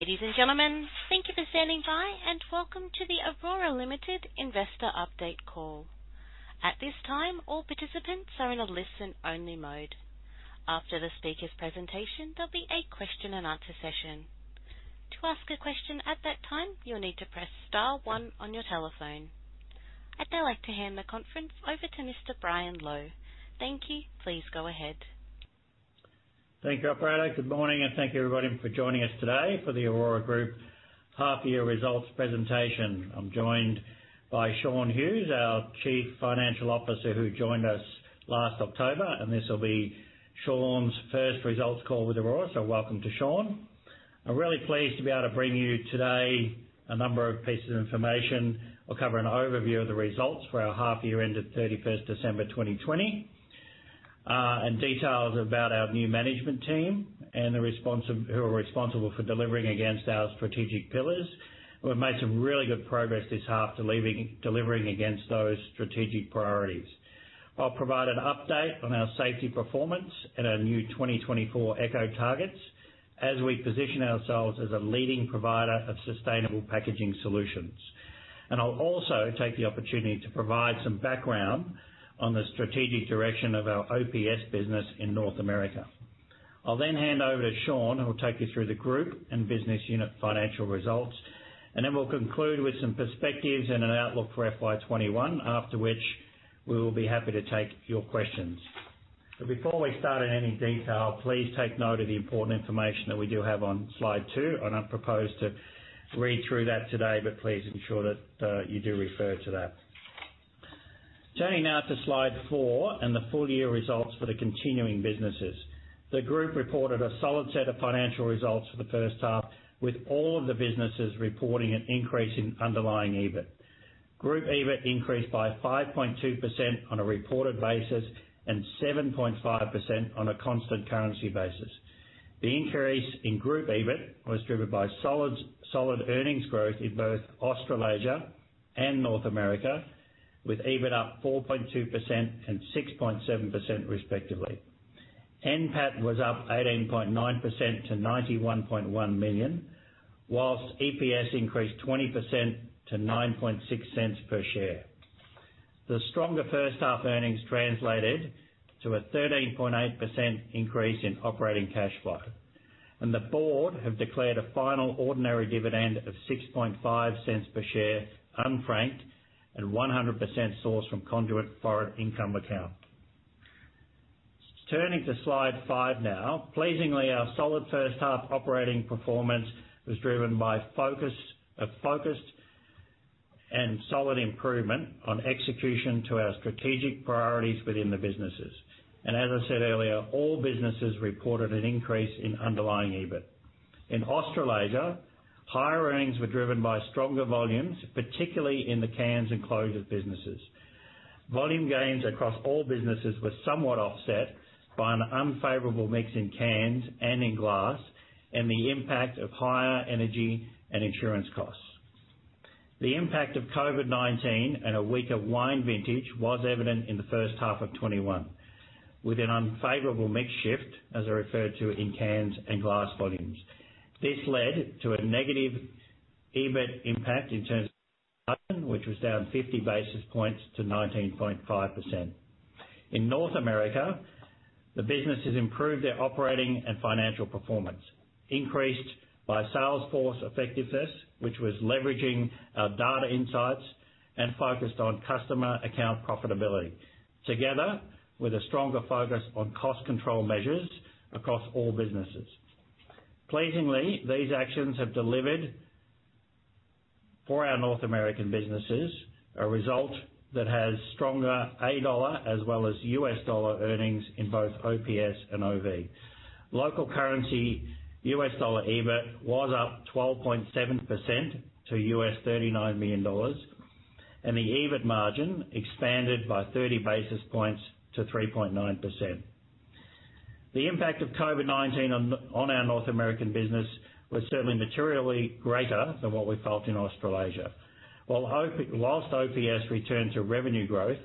Ladies and gentlemen, thank you for standing by, and welcome to the Orora Limited investor update call. At this time, all participants are in a listen-only mode. After the speaker's presentation, there'll be a question and answer session. To ask a question at that time, you'll need to press star one on your telephone. I'd now like to hand the conference over to Mr. Brian Lowe. Thank you. Please go ahead. Thank you, operator. Good morning. Thank you everybody for joining us today for the Orora Group half year results presentation. I'm joined by Shaun Hughes, our Chief Financial Officer, who joined us last October. This will be Shaun's first results call with Orora, so welcome to Shaun. I'm really pleased to be able to bring you today a number of pieces of information. We'll cover an overview of the results for our half year end of 31st December 2020, and details about our new management team, who are responsible for delivering against our strategic pillars. We've made some really good progress this half delivering against those strategic priorities. I'll provide an update on our safety performance and our new 2024 Eco Targets as we position ourselves as a leading provider of sustainable packaging solutions. I'll also take the opportunity to provide some background on the strategic direction of our OPS business in North America. I'll then hand over to Shaun, who will take you through the group and business unit financial results. Then we'll conclude with some perspectives and an outlook for FY 2021, after which we will be happy to take your questions. Before we start in any detail, please take note of the important information that we do have on slide two. I don't propose to read through that today, but please ensure that you do refer to that. Turning now to slide four and the full year results for the continuing businesses. The group reported a solid set of financial results for the first half, with all of the businesses reporting an increase in underlying EBIT. Group EBIT increased by 5.2% on a reported basis and 7.5% on a constant currency basis. The increase in group EBIT was driven by solid earnings growth in both Australasia and North America, with EBIT up 4.2% and 6.7% respectively. NPAT was up 18.9% to 91.1 million, whilst EPS increased 20% to 0.096 per share. The stronger first half earnings translated to a 13.8% increase in operating cash flow. The board have declared a final ordinary dividend of 0.065 per share, unfranked, and 100% sourced from Conduit Foreign Income Account. Turning to slide five now. Pleasingly, our solid first half operating performance was driven by a focused and solid improvement on execution to our strategic priorities within the businesses. As I said earlier, all businesses reported an increase in underlying EBIT. In Australasia, higher earnings were driven by stronger volumes, particularly in the cans and closures businesses. Volume gains across all businesses were somewhat offset by an unfavorable mix in cans and in glass, and the impact of higher energy and insurance costs. The impact of COVID-19 and a weaker wine vintage was evident in the first half of 2021, with an unfavorable mix shift, as I referred to, in cans and glass volumes. This led to a negative EBIT impact in terms of margin, which was down 50 basis points to 19.5%. In North America, the businesses improved their operating and financial performance, increased by sales force effectiveness, which was leveraging our data insights and focused on customer account profitability, together with a stronger focus on cost control measures across all businesses. Pleasingly, these actions have delivered for our North American businesses, a result that has stronger AUD as well as U.S. dollars earnings in both OPS and OV. Local currency U.S. dollar EBIT was up 12.7% to $39 million, and the EBIT margin expanded by 30 basis points to 3.9%. The impact of COVID-19 on our North American business was certainly materially greater than what we felt in Australasia. Whilst OPS returned to revenue growth,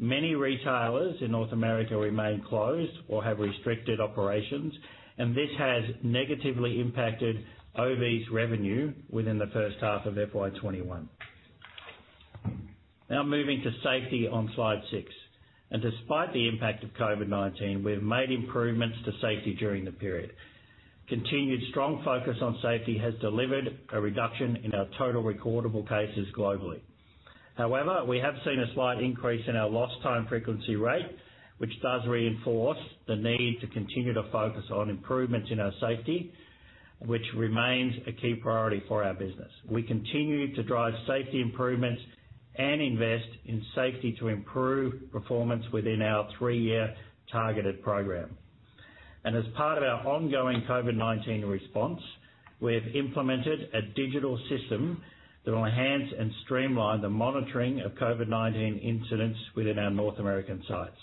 many retailers in North America remain closed or have restricted operations. This has negatively impacted OV's revenue within the first half of FY 2021. Moving to safety on slide six. Despite the impact of COVID-19, we've made improvements to safety during the period. Continued strong focus on safety has delivered a reduction in our total recordable cases globally. However, we have seen a slight increase in our lost time frequency rate, which does reinforce the need to continue to focus on improvements in our safety, which remains a key priority for our business. We continue to drive safety improvements and invest in safety to improve performance within our three-year targeted program. As part of our ongoing COVID-19 response, we have implemented a digital system that enhances and streamlines the monitoring of COVID-19 incidents within our North American sites.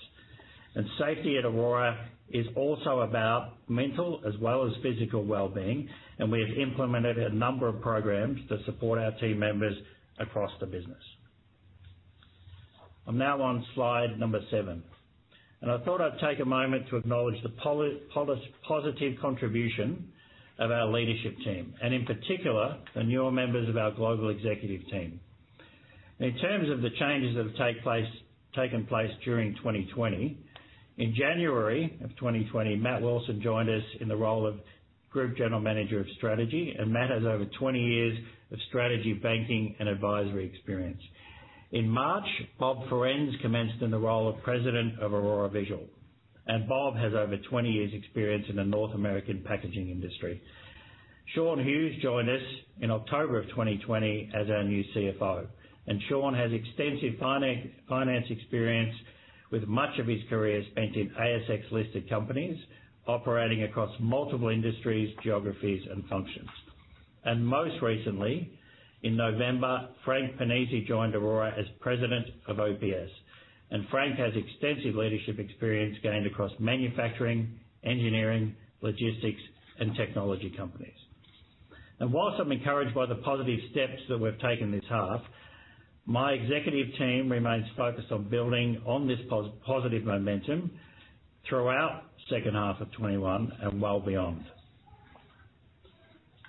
Safety at Orora is also about mental as well as physical well-being, and we have implemented a number of programs to support our team members across the business. I'm now on slide number seven, and I thought I'd take a moment to acknowledge the positive contribution of our leadership team, and in particular, the newer members of our global executive team. In terms of the changes that have taken place during 2020. In January of 2020, Matt Wilson joined us in the role of Group General Manager of Strategy, and Matt has over 20 years of strategy, banking, and advisory experience. In March, Bob Firenze commenced in the role of President of Orora Visual, and Bob has over 20 years experience in the North American packaging industry. Shaun Hughes joined us in October of 2020 as our new CFO, and Shaun has extensive finance experience with much of his career spent in ASX-listed companies operating across multiple industries, geographies, and functions. Most recently, in November, Frank Pennisi joined Orora as President of OPS, and Frank has extensive leadership experience gained across manufacturing, engineering, logistics, and technology companies. Whilst I'm encouraged by the positive steps that we've taken this half, my executive team remains focused on building on this positive momentum throughout second half of 2021 and well beyond.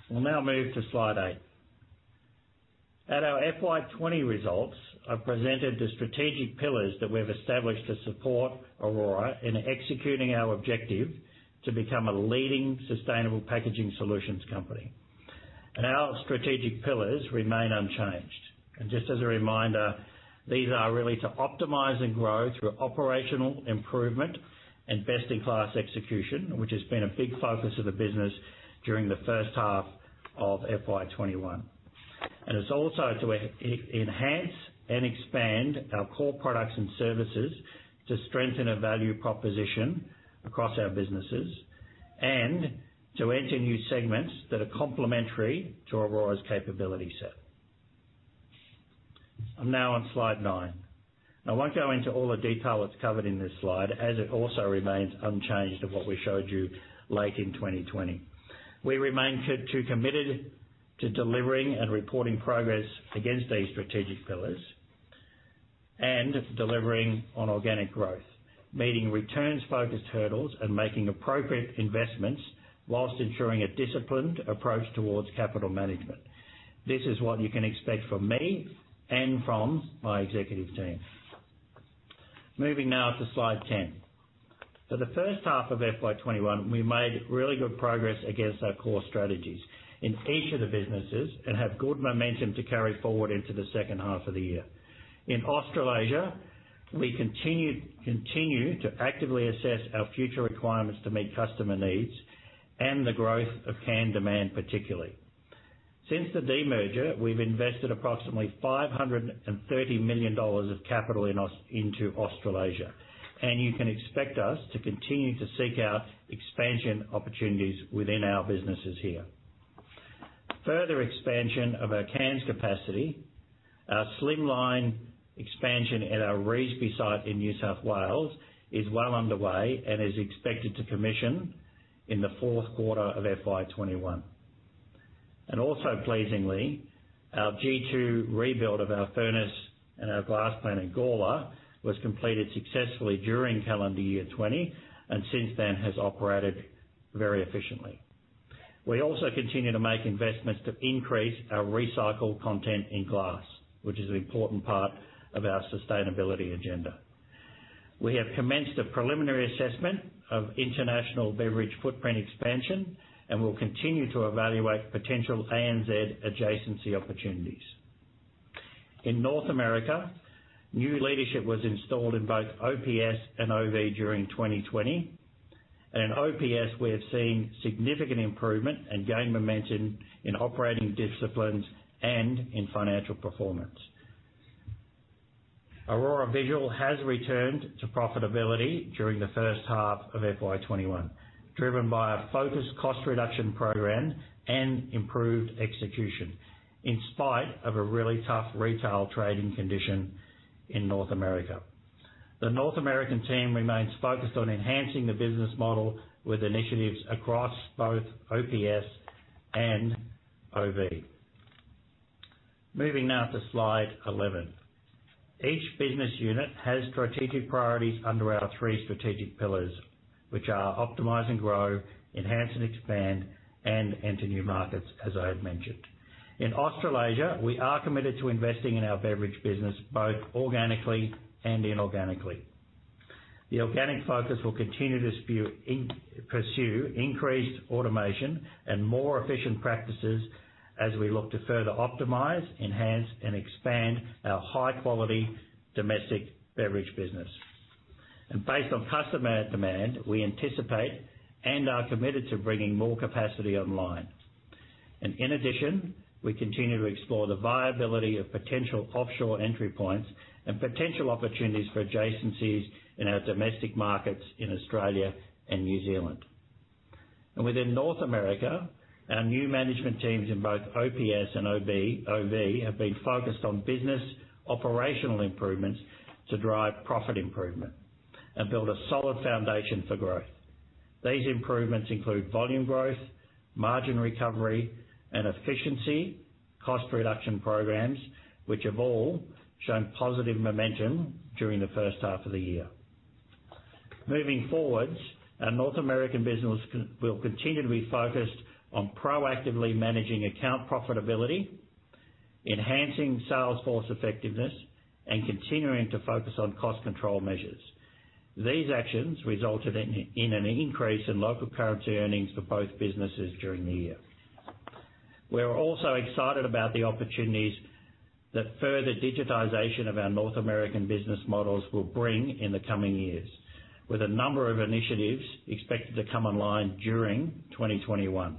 We'll now move to slide eight. At our FY 2020 results, I've presented the strategic pillars that we've established to support Orora in executing our objective to become a leading sustainable packaging solutions company. Our strategic pillars remain unchanged. Just as a reminder, these are really to optimize and grow through operational improvement and best-in-class execution, which has been a big focus of the business during the first half of FY 2021. It's also to enhance and expand our core products and services to strengthen our value proposition across our businesses and to enter new segments that are complementary to Orora's capability set. I'm now on slide nine. I won't go into all the detail that's covered in this slide, as it also remains unchanged of what we showed you late in 2020. We remain committed to delivering and reporting progress against these strategic pillars and delivering on organic growth, meeting returns-focused hurdles, and making appropriate investments whilst ensuring a disciplined approach towards capital management. This is what you can expect from me and from my executive team. Moving now to slide 10. For the first half of FY 2021, we made really good progress against our core strategies in each of the businesses and have good momentum to carry forward into the second half of the year. In Australasia, we continue to actively assess our future requirements to meet customer needs and the growth of can demand, particularly. Since the demerger, we've invested approximately 530 million dollars of capital into Australasia. You can expect us to continue to seek out expansion opportunities within our businesses here. Further expansion of our cans capacity. Our slimline expansion at our Revesby site in New South Wales is well underway and is expected to commission in the fourth quarter of FY 2021. Also pleasingly, our G2 rebuild of our furnace and our glass plant in Gawler was completed successfully during calendar year 2020, and since then has operated very efficiently. We also continue to make investments to increase our recycled content in glass, which is an important part of our sustainability agenda. We have commenced a preliminary assessment of international beverage footprint expansion and will continue to evaluate potential ANZ adjacency opportunities. In North America, new leadership was installed in both OPS and OV during 2020. In OPS, we have seen significant improvement and gain momentum in operating disciplines and in financial performance. Orora Visual has returned to profitability during the first half of FY 2021, driven by a focused cost reduction program and improved execution in spite of a really tough retail trading condition in North America. The North American team remains focused on enhancing the business model with initiatives across both OPS and OV. Moving now to slide 11. Each business unit has strategic priorities under our three strategic pillars, which are Optimize and Grow, Enhance and Expand, and Enter New Markets, as I have mentioned. In Australasia, we are committed to investing in our beverage business both organically and inorganically. The organic focus will continue to pursue increased automation and more efficient practices as we look to further optimize, enhance, and expand our high-quality domestic beverage business. Based on customer demand, we anticipate and are committed to bringing more capacity online. In addition, we continue to explore the viability of potential offshore entry points and potential opportunities for adjacencies in our domestic markets in Australia and New Zealand. Within North America, our new management teams in both OPS and OV have been focused on business operational improvements to drive profit improvement and build a solid foundation for growth. These improvements include volume growth, margin recovery, and efficiency cost reduction programs, which have all shown positive momentum during the first half of the year. Moving forwards, our North American business will continue to be focused on proactively managing account profitability, enhancing sales force effectiveness, and continuing to focus on cost control measures. These actions resulted in an increase in local currency earnings for both businesses during the year. We're also excited about the opportunities that further digitization of our North American business models will bring in the coming years, with a number of initiatives expected to come online during 2021.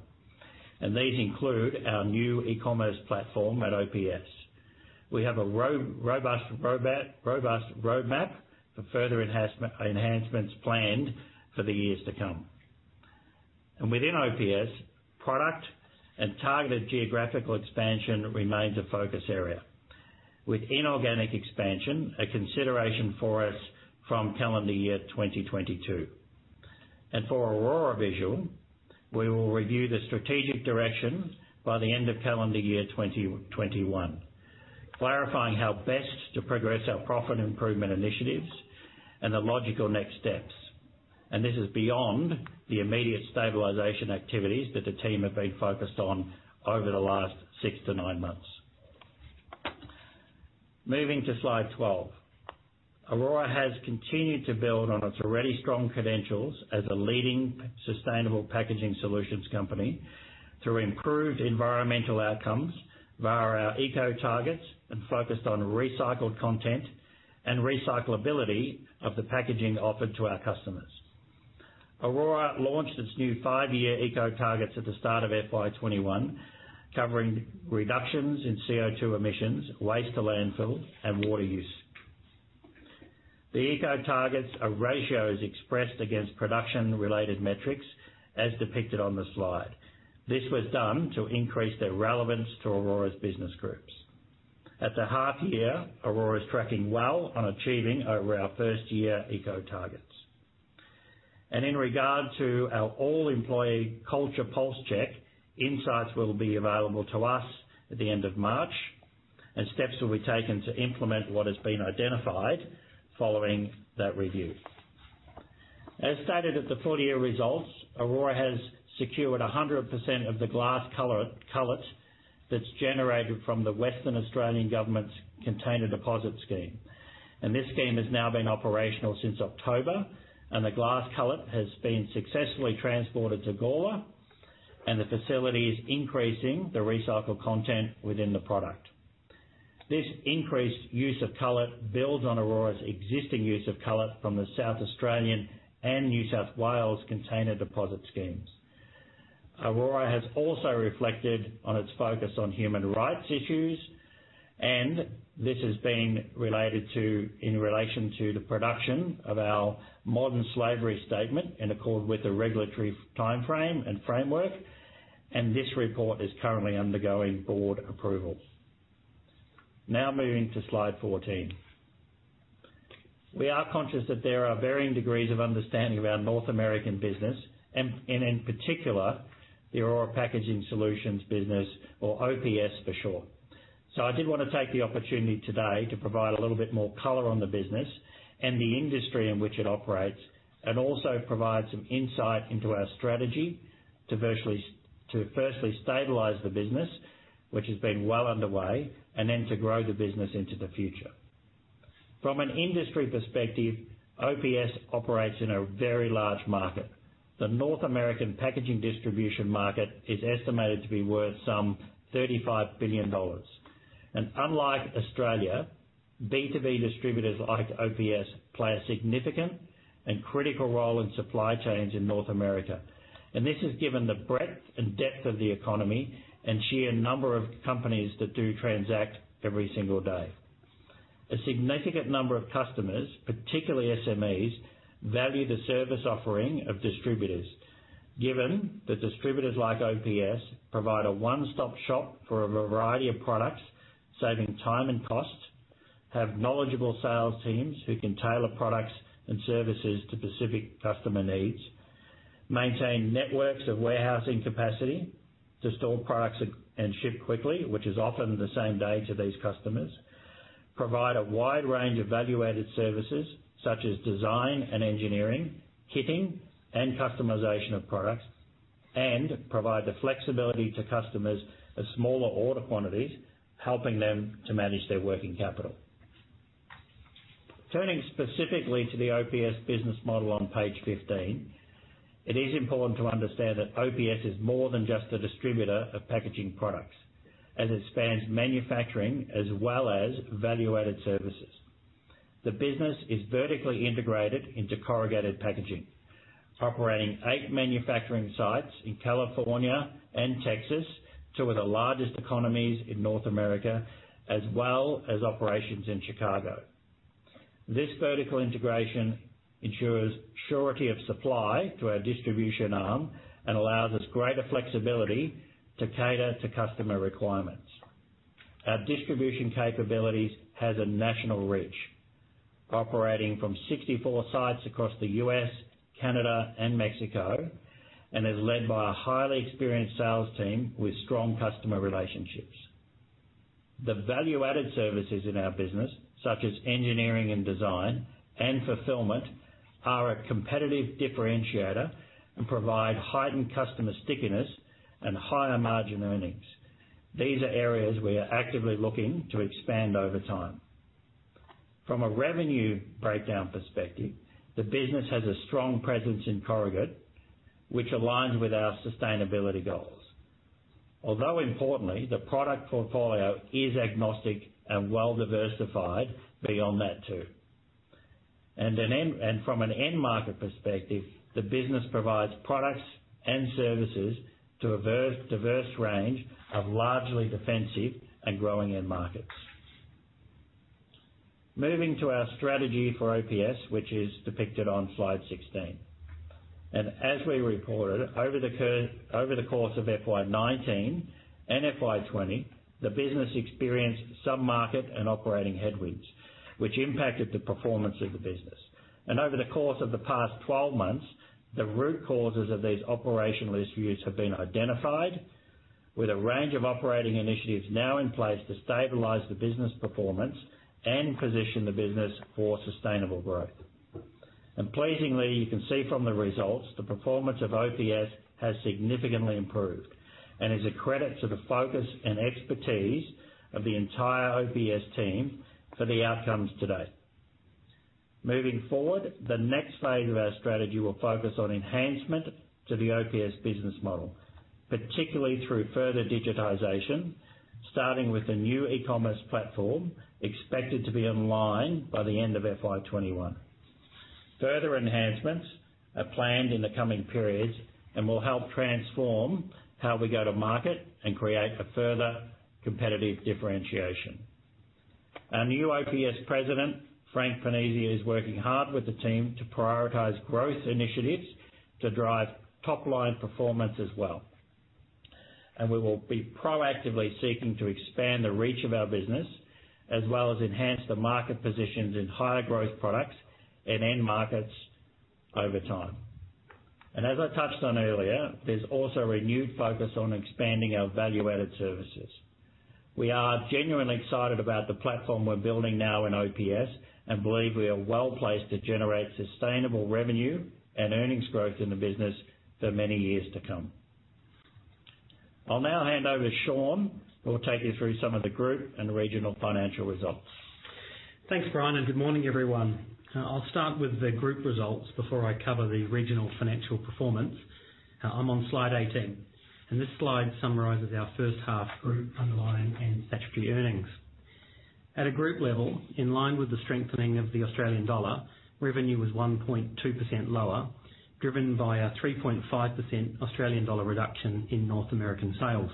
These include our new e-commerce platform at OPS. We have a robust roadmap for further enhancements planned for the years to come. Within OPS, product and targeted geographical expansion remains a focus area, with inorganic expansion a consideration for us from calendar year 2022. For Orora Visual, we will review the strategic direction by the end of calendar year 2021, clarifying how best to progress our profit improvement initiatives and the logical next steps. This is beyond the immediate stabilization activities that the team have been focused on over the last six to nine months. Moving to slide 12. Orora has continued to build on its already strong credentials as a leading sustainable packaging solutions company through improved environmental outcomes via our Eco Targets and focused on recycled content and recyclability of the packaging offered to our customers. Orora launched its new five-year Eco Targets at the start of FY 2021, covering reductions in CO2 emissions, waste to landfill, and water use. The Eco Targets are ratios expressed against production-related metrics, as depicted on the slide. This was done to increase their relevance to Orora's business groups. At the half year, Orora is tracking well on achieving our first-year Eco Targets. In regard to our all-employee culture pulse check, insights will be available to us at the end of March, and steps will be taken to implement what has been identified following that review. As stated at the full-year results, Orora has secured 100% of the glass cullet that is generated from the Western Australian Government's Container Deposit Scheme. This scheme has now been operational since October, and the glass cullet has been successfully transported to Gawler and the facility is increasing the recycled content within the product. This increased use of cullet builds on Orora's existing use of cullet from the South Australian and New South Wales Container Deposit Schemes. Orora has also reflected on its focus on human rights issues, this has been in relation to the production of our Modern Slavery Statement in accord with the regulatory timeframe and framework, this report is currently undergoing board approval. Moving to slide 14. We are conscious that there are varying degrees of understanding of our North American business and, in particular, the Orora Packaging Solutions business or OPS for short. I did want to take the opportunity today to provide a little bit more color on the business and the industry in which it operates and also provide some insight into our strategy to firstly stabilize the business, which has been well underway, and then to grow the business into the future. From an industry perspective, OPS operates in a very large market. The North American packaging distribution market is estimated to be worth some $35 billion. Unlike Australia, B2B distributors like OPS play a significant and critical role in supply chains in North America. This is given the breadth and depth of the economy and sheer number of companies that do transact every single day. A significant number of customers, particularly SMEs, value the service offering of distributors, given that distributors like OPS provide a one-stop shop for a variety of products, saving time and cost, have knowledgeable sales teams who can tailor products and services to specific customer needs, maintain networks of warehousing capacity to store products and ship quickly, which is often the same day to these customers. Provide a wide range of value-added services such as design and engineering, kitting and customization of products, and provide the flexibility to customers of smaller order quantities, helping them to manage their working capital. Turning specifically to the OPS business model on page 15, it is important to understand that OPS is more than just a distributor of packaging products, as it spans manufacturing as well as value-added services. The business is vertically integrated into corrugated packaging, operating eight manufacturing sites in California and Texas, two of the largest economies in North America, as well as operations in Chicago. This vertical integration ensures surety of supply to our distribution arm and allows us greater flexibility to cater to customer requirements. Our distribution capabilities has a national reach. Operating from 64 sites across the U.S., Canada, and Mexico, and is led by a highly experienced sales team with strong customer relationships. The value-added services in our business, such as engineering and design and fulfillment, are a competitive differentiator and provide heightened customer stickiness and higher margin earnings. These are areas we are actively looking to expand over time. From a revenue breakdown perspective, the business has a strong presence in corrugate, which aligns with our sustainability goals. Although importantly, the product portfolio is agnostic and well-diversified beyond that too. From an end market perspective, the business provides products and services to a diverse range of largely defensive and growing end markets. Moving to our strategy for OPS, which is depicted on slide 16. As we reported, over the course of FY 2019 and FY 2020, the business experienced some market and operating headwinds, which impacted the performance of the business. Over the course of the past 12 months, the root causes of these operational issues have been identified with a range of operating initiatives now in place to stabilize the business performance and position the business for sustainable growth. Pleasingly, you can see from the results, the performance of OPS has significantly improved and is a credit to the focus and expertise of the entire OPS team for the outcomes today. Moving forward, the next phase of our strategy will focus on enhancement to the OPS business model, particularly through further digitization, starting with the new e-commerce platform expected to be online by the end of FY 2021. Further enhancements are planned in the coming periods and will help transform how we go to market and create a further competitive differentiation. Our new OPS president, Frank Pennisi, is working hard with the team to prioritize growth initiatives to drive top-line performance as well. We will be proactively seeking to expand the reach of our business as well as enhance the market positions in higher growth products and end markets over time. As I touched on earlier, there's also a renewed focus on expanding our value-added services. We are genuinely excited about the platform we're building now in OPS and believe we are well-placed to generate sustainable revenue and earnings growth in the business for many years to come. I'll now hand over to Shaun, who will take you through some of the group and regional financial results. Thanks, Brian, and good morning, everyone. I'll start with the group results before I cover the regional financial performance. I'm on slide 18. This slide summarizes our first half group underlying and statutory earnings. At a group level, in line with the strengthening of the Australian dollar, revenue was 1.2% lower, driven by a 3.5% Australian dollar reduction in North American sales.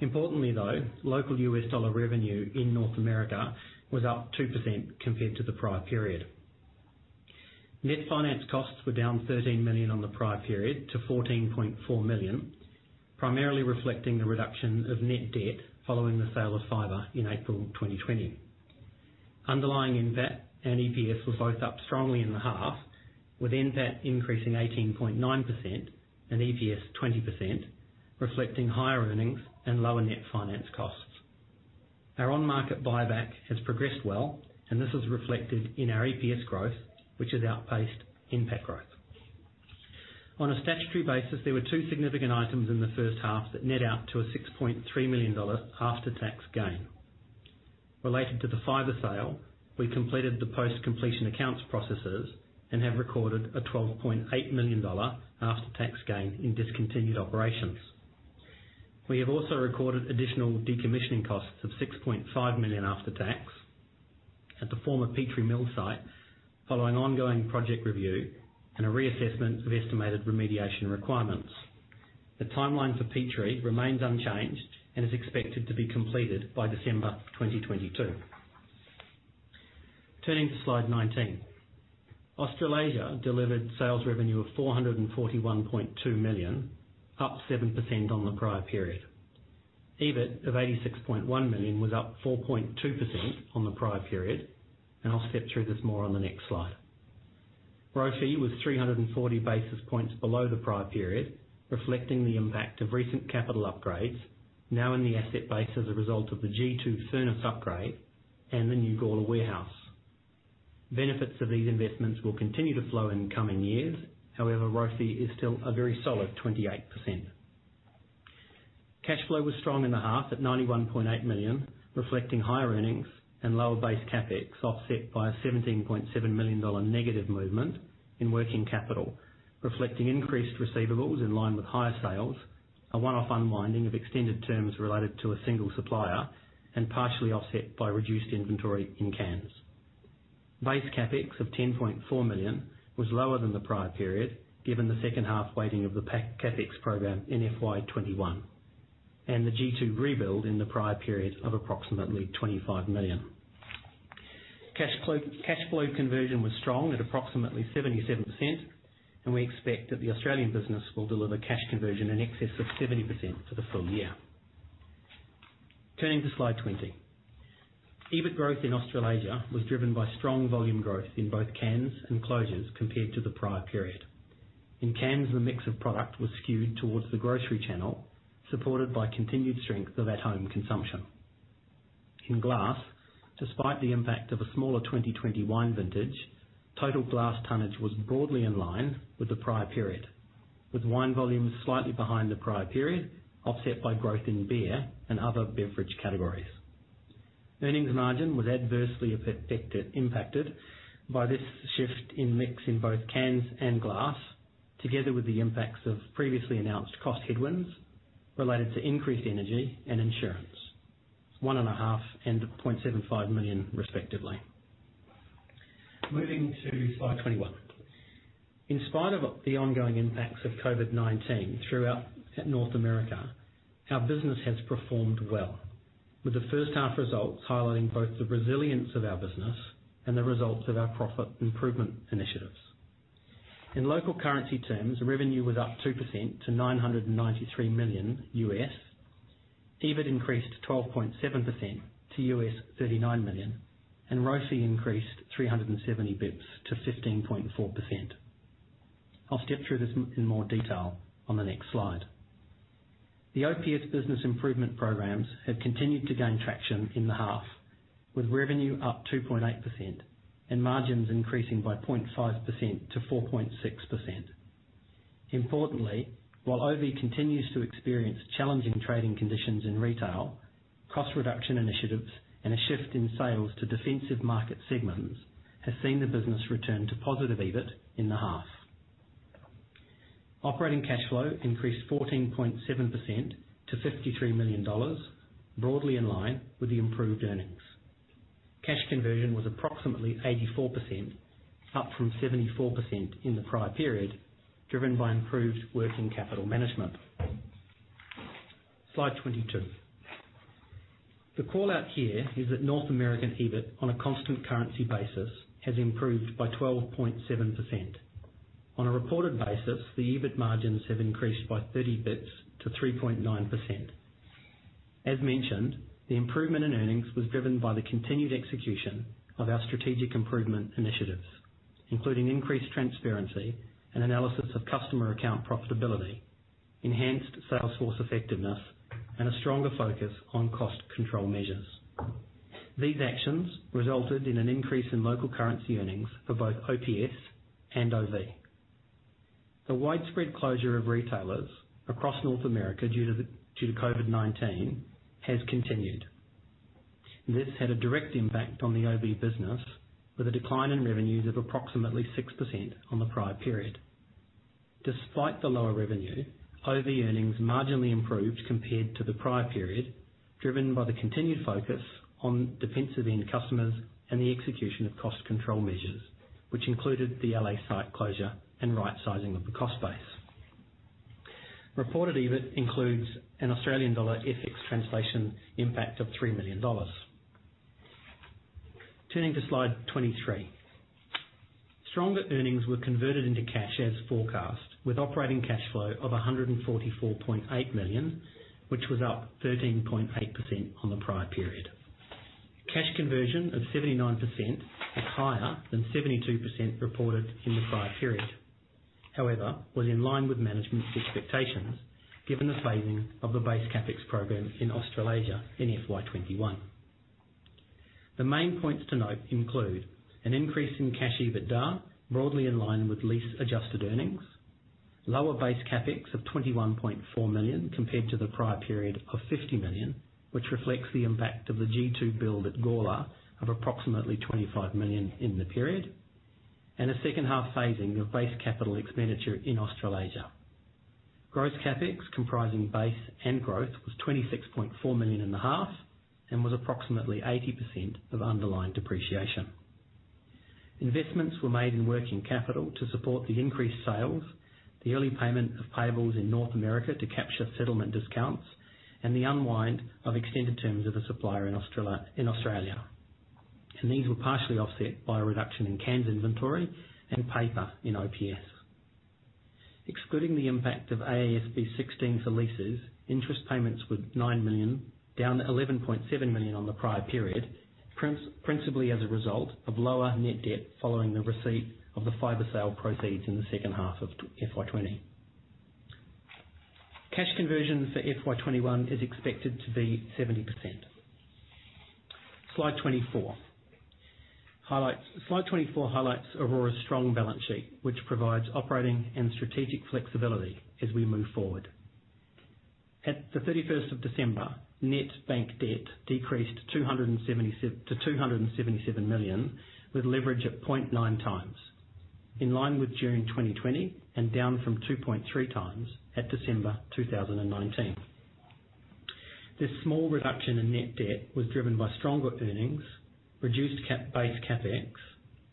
Importantly though, local U.S. dollar revenue in North America was up 2% compared to the prior period. Net finance costs were down 13 million on the prior period to 14.4 million, primarily reflecting the reduction of net debt following the sale of Fibre in April 2020. Underlying NPAT and EPS were both up strongly in the half, with NPAT increasing 18.9% and EPS 20%, reflecting higher earnings and lower net finance costs. Our on-market buyback has progressed well, and this is reflected in our EPS growth, which has outpaced NPAT growth. On a statutory basis, there were two significant items in the first half that net out to an 6.3 million dollar after-tax gain. Related to the Fibre sale, we completed the post-completion accounts processes and have recorded an 12.8 million dollar after-tax gain in discontinued operations. We have also recorded additional decommissioning costs of 6.5 million after tax at the former Petrie Mill site following ongoing project review and a reassessment of estimated remediation requirements. The timeline for Petrie remains unchanged and is expected to be completed by December 2022. Turning to slide 19. Australasia delivered sales revenue of 441.2 million, up 7% on the prior period. EBIT of 86.1 million was up 4.2% on the prior period, and I'll step through this more on the next slide. ROFE was 340 basis points below the prior period, reflecting the impact of recent capital upgrades now in the asset base as a result of the G2 furnace upgrade and the new Gawler warehouse. Benefits of these investments will continue to flow in the coming years. However, ROFE is still a very solid 28%. Cash flow was strong in the half at 91.8 million, reflecting higher earnings and lower base CapEx, offset by a 17.7 million dollar negative movement in working capital, reflecting increased receivables in line with higher sales, a one-off unwinding of extended terms related to a single supplier, and partially offset by reduced inventory in cans. Base CapEx of 10.4 million was lower than the prior period, given the second half weighting of the CapEx program in FY 2021 and the G2 rebuild in the prior period of approximately 25 million. Cash flow conversion was strong at approximately 77%, and we expect that the Australian business will deliver cash conversion in excess of 70% for the full year. Turning to slide 20. EBIT growth in Australasia was driven by strong volume growth in both cans and closures compared to the prior period. In cans, the mix of product was skewed towards the grocery channel, supported by continued strength of at-home consumption. In glass, despite the impact of a smaller 2020 wine vintage, total glass tonnage was broadly in line with the prior period, with wine volumes slightly behind the prior period, offset by growth in beer and other beverage categories. Earnings margin was adversely impacted by this shift in mix in both cans and glass, together with the impacts of previously announced cost headwinds related to increased energy and insurance, 1.5 million and 0.75 million respectively. Moving to slide 21. In spite of the ongoing impacts of COVID-19 throughout North America, our business has performed well, with the first half results highlighting both the resilience of our business and the results of our profit improvement initiatives. In local currency terms, revenue was up 2% to $993 million. EBIT increased 12.7% to $39 million, and ROC increased 370 basis points to 15.4%. I'll step through this in more detail on the next slide. The OPS business improvement programs have continued to gain traction in the half, with revenue up 2.8% and margins increasing by 0.5% to 4.6%. Importantly, while OV continues to experience challenging trading conditions in retail, cost reduction initiatives and a shift in sales to defensive market segments has seen the business return to positive EBIT in the half. Operating cash flow increased 14.7% to 53 million dollars, broadly in line with the improved earnings. Cash conversion was approximately 84%, up from 74% in the prior period, driven by improved working capital management. Slide 22. The call-out here is that North American EBIT on a constant currency basis has improved by 12.7%. On a reported basis, the EBIT margins have increased by 30 basis points to 3.9%. As mentioned, the improvement in earnings was driven by the continued execution of our strategic improvement initiatives, including increased transparency and analysis of customer account profitability, enhanced sales force effectiveness, and a stronger focus on cost control measures. These actions resulted in an increase in local currency earnings for both OPS and OV. The widespread closure of retailers across North America due to COVID-19 has continued. This had a direct impact on the OV business, with a decline in revenues of approximately 6% on the prior period. Despite the lower revenue, OV earnings marginally improved compared to the prior period, driven by the continued focus on defensive end customers and the execution of cost control measures, which included the L.A. site closure and rightsizing of the cost base. Reported EBIT includes an Australian dollar FX translation impact of 3 million dollars. Turning to slide 23. Stronger earnings were converted into cash as forecast, with operating cash flow of 144.8 million, which was up 13.8% on the prior period. Cash conversion of 79% is higher than 72% reported in the prior period. Was in line with management's expectations, given the phasing of the base CapEx program in Australasia in FY 2021. The main points to note include an increase in cash EBITDA, broadly in line with lease-adjusted earnings, lower base CapEx of 21.4 million compared to the prior period of 50 million, which reflects the impact of the G2 build at Gawler of approximately 25 million in the period, and a second half phasing of base capital expenditure in Australasia. Gross CapEx, comprising base and growth, was 26.4 million in the half and was approximately 80% of underlying depreciation. Investments were made in working capital to support the increased sales, the early payment of payables in North America to capture settlement discounts, and the unwind of extended terms of a supplier in Australia. These were partially offset by a reduction in cans inventory and paper in OPS. Excluding the impact of AASB 16 for leases, interest payments were 9 million, down 11.7 million on the prior period, principally as a result of lower net debt following the receipt of the Fibre sale proceeds in the second half of FY 2020. Cash conversion for FY 2021 is expected to be 70%. Slide 24. Slide 24 highlights Orora's strong balance sheet, which provides operating and strategic flexibility as we move forward. At the 31st of December, net bank debt decreased to 277 million, with leverage at 0.9x, in line with June 2020 and down from 2.3x at December 2019. This small reduction in net debt was driven by stronger earnings, reduced base CapEx,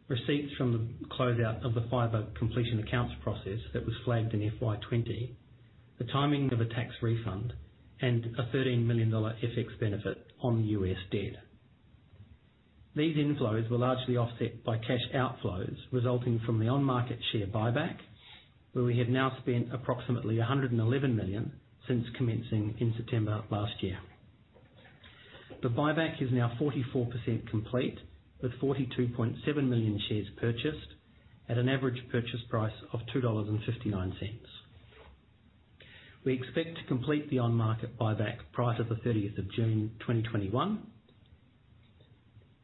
receipts from the closeout of the Fibre completion accounts process that was flagged in FY 2020. The timing of a tax refund and a $13 million FX benefit on the U.S. debt. These inflows were largely offset by cash outflows resulting from the on-market share buyback, where we have now spent approximately 111 million since commencing in September 2020. The buyback is now 44% complete, with 42.7 million shares purchased at an average purchase price of 2.59 dollars. We expect to complete the on-market buyback prior to the 30th of June 2021.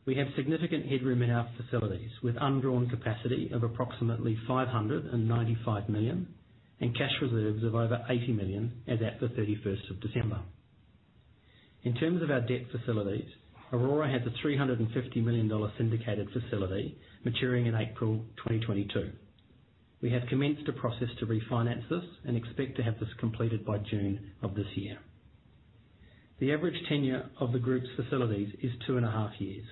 We have significant headroom in our facilities, with undrawn capacity of approximately 595 million and cash reserves of over 80 million as at the 31st of December. In terms of our debt facilities, Orora has a 350 million dollar syndicated facility maturing in April 2022. We have commenced a process to refinance this and expect to have this completed by June 2021. The average tenure of the group's facilities is 2.5 years.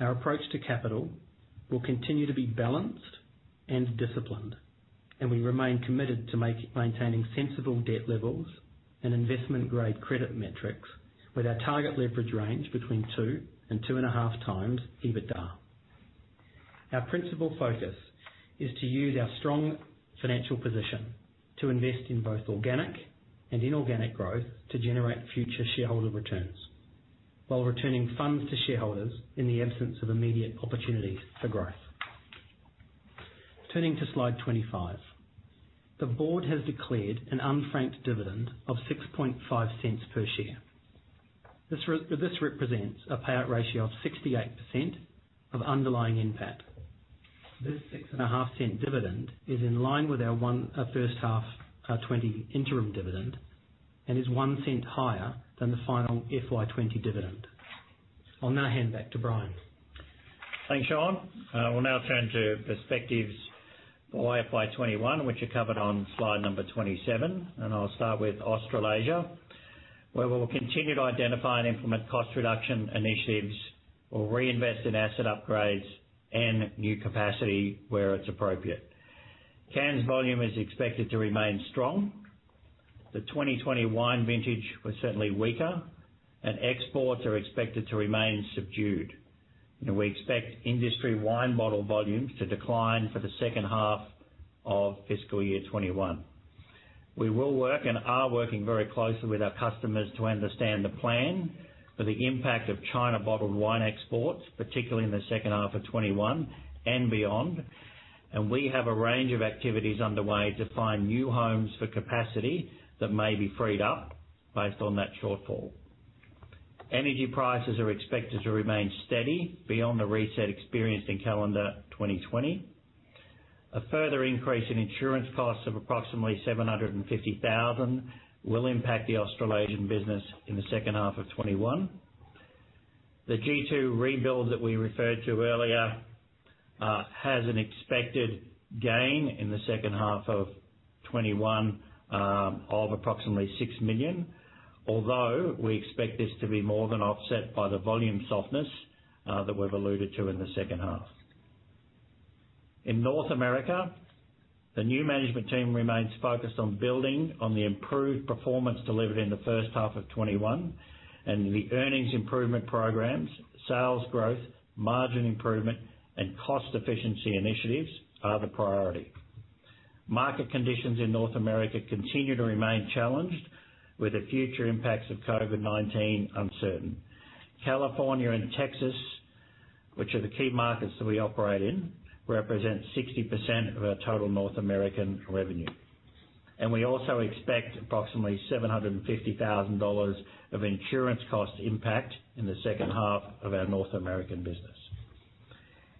Our approach to capital will continue to be balanced and disciplined, and we remain committed to maintaining sensible debt levels and investment-grade credit metrics with our target leverage range between 2 and 2.5x EBITDA. Our principal focus is to use our strong financial position to invest in both organic and inorganic growth to generate future shareholder returns, while returning funds to shareholders in the absence of immediate opportunities for growth. Turning to slide 25. The board has declared an unfranked dividend of 0.065 per share. This represents a payout ratio of 68% of underlying NPAT. This AUD 0.065 dividend is in line with our first half, our 2020 interim dividend, and is 0.01 higher than the final FY 2020 dividend. I'll now hand back to Brian. Thanks, Shaun. We'll now turn to perspectives for FY 2021, which are covered on slide number 27. I'll start with Australasia, where we will continue to identify and implement cost reduction initiatives. We'll reinvest in asset upgrades and new capacity where it's appropriate. Cans volume is expected to remain strong. The 2020 wine vintage was certainly weaker. Exports are expected to remain subdued. We expect industry wine bottle volumes to decline for the second half of fiscal year 2021. We will work, and are working very closely with our customers to understand the plan for the impact of China bottled wine exports, particularly in the second half of 2021 and beyond. We have a range of activities underway to find new homes for capacity that may be freed up based on that shortfall. Energy prices are expected to remain steady beyond the reset experienced in calendar 2020. A further increase in insurance costs of approximately 750,000 will impact the Australasian business in the second half of 2021. The G2 rebuild that we referred to earlier, has an expected gain in the second half of 2021, of approximately 6 million. We expect this to be more than offset by the volume softness that we've alluded to in the second half. In North America, the new management team remains focused on building on the improved performance delivered in the first half of 2021. The earnings improvement programs, sales growth, margin improvement, and cost efficiency initiatives are the priority. Market conditions in North America continue to remain challenged, with the future impacts of COVID-19 uncertain. California and Texas, which are the key markets that we operate in, represent 60% of our total North American revenue. We also expect approximately 750,000 dollars of insurance cost impact in the second half of our North American business.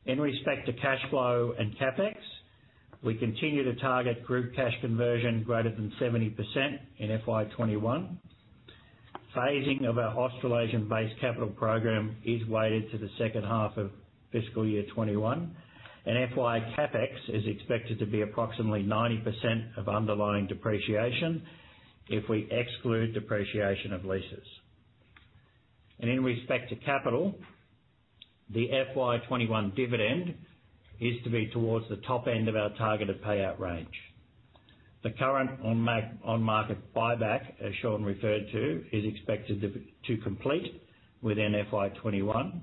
In respect to cash flow and CapEx, we continue to target group cash conversion greater than 70% in FY 2021. Phasing of our Australasian-based capital program is weighted to the second half of fiscal year 2021, and FY CapEx is expected to be approximately 90% of underlying depreciation if we exclude depreciation of leases. In respect to capital, the FY 2021 dividend is to be towards the top end of our targeted payout range. The current on-market buyback, as Shaun referred to, is expected to complete within FY 2021.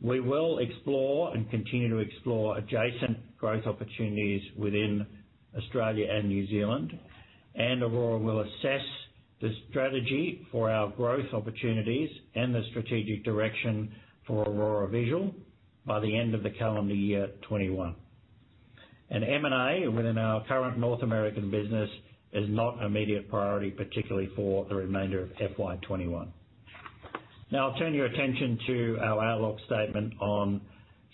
We will explore and continue to explore adjacent growth opportunities within Australia and New Zealand, Orora will assess the strategy for our growth opportunities and the strategic direction for Orora Visual by the end of the calendar year 2021. M&A within our current North American business is not an immediate priority, particularly for the remainder of FY 2021. Now I'll turn your attention to our outlook statement on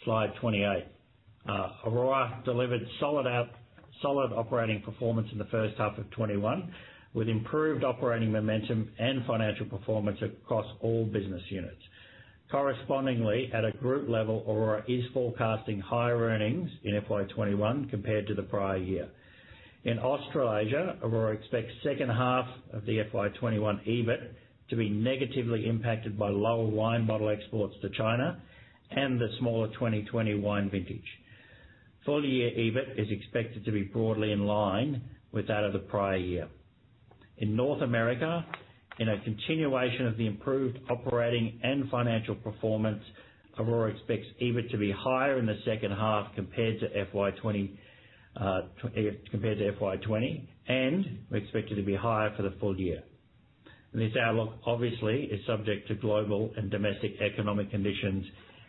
slide 28. Orora delivered solid operating performance in the first half of 2021, with improved operating momentum and financial performance across all business units. Correspondingly, at a group level, Orora is forecasting higher earnings in FY 2021 compared to the prior year. In Australasia, Orora expects second half of the FY 2021 EBIT to be negatively impacted by lower wine bottle exports to China and the smaller 2020 wine vintage. Full-year EBIT is expected to be broadly in line with that of the prior year. In North America, in a continuation of the improved operating and financial performance, Orora expects EBIT to be higher in the second half compared to FY 2020, and we expect it to be higher for the full year. This outlook obviously is subject to global and domestic economic conditions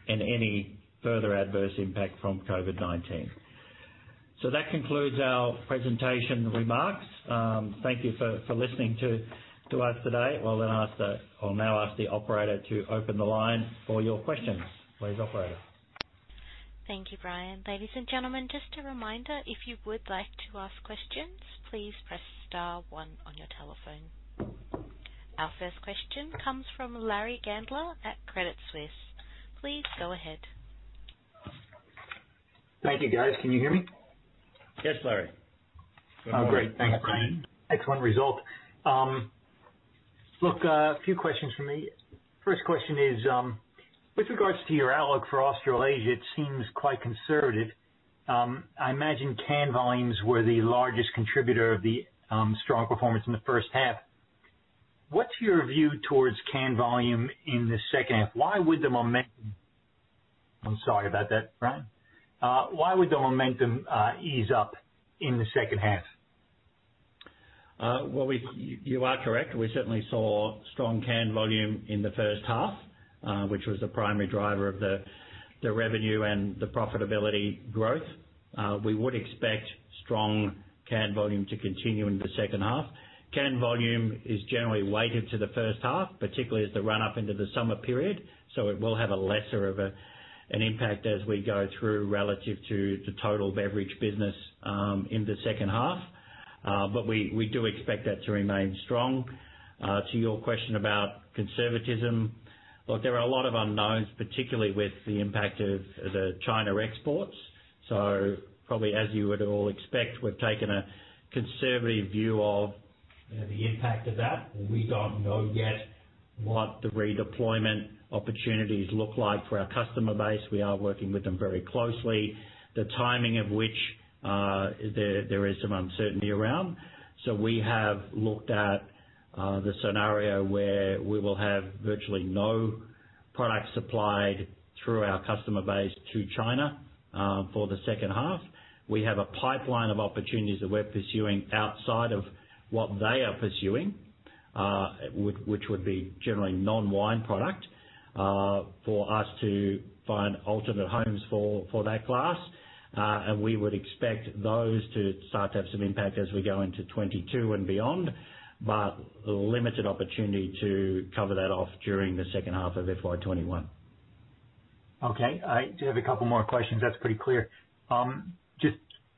and any further adverse impact from COVID-19. That concludes our presentation remarks. Thank you for listening to us today. I will now ask the operator to open the line for your questions. Please, operator. Thank you, Brian. Ladies and gentlemen, just a reminder, if you would like to ask questions, please press star one on your telephone. Our first question comes from Larry Gandler at Credit Suisse. Please go ahead. Thank you, guys. Can you hear me? Yes, Larry. Oh, great. Thanks. Good morning. Excellent result. Look, a few questions from me. First question is, with regards to your outlook for Australasia, it seems quite conservative. I imagine can volumes were the largest contributor of the strong performance in the first half. What's your view towards can volume in the second half? I'm sorry about that, Brian. Why would the momentum ease up in the second half? You are correct. We certainly saw strong can volume in the first half, which was the primary driver of the revenue and the profitability growth. We would expect strong can volume to continue into the second half. Can volume is generally weighted to the first half, particularly as the run-up into the summer period, so it will have a lesser of an impact as we go through relative to the total beverage business, in the second half. We do expect that to remain strong. To your question about conservatism, look, there are a lot of unknowns, particularly with the impact of the China exports. Probably as you would all expect, we've taken a conservative view of the impact of that. We don't know yet what the redeployment opportunities look like for our customer base. We are working with them very closely, the timing of which there is some uncertainty around. We have looked at the scenario where we will have virtually no product supplied through our customer base to China for the second half. We have a pipeline of opportunities that we're pursuing outside of what they are pursuing, which would be generally non-wine product, for us to find alternate homes for that glass. We would expect those to start to have some impact as we go into 2022 and beyond, but limited opportunity to cover that off during the second half of FY 2021. I do have a couple more questions. That's pretty clear. Just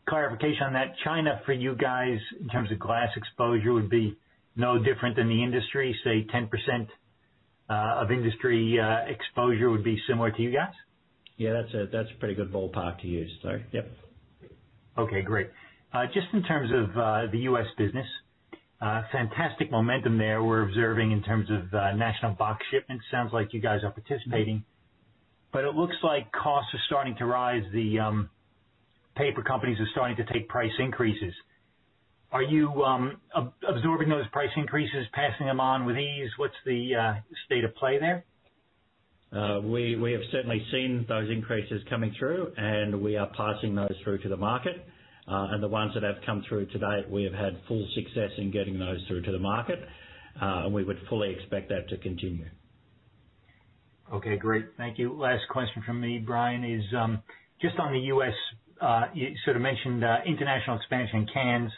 clarification on that. China, for you guys, in terms of glass exposure, would be no different than the industry, say, 10% of industry exposure would be similar to you guys? Yeah, that's a pretty good ballpark to use, Larry. Yep. Okay, great. Just in terms of the U.S. business, fantastic momentum there we're observing in terms of national box shipments. Sounds like you guys are participating. It looks like costs are starting to rise. The paper companies are starting to take price increases. Are you absorbing those price increases, passing them on with ease? What's the state of play there? We have certainly seen those increases coming through, and we are passing those through to the market. The ones that have come through to date, we have had full success in getting those through to the market, and we would fully expect that to continue. Okay, great. Thank you. Last question from me, Brian, is just on the U.S., you sort of mentioned international expansion cans.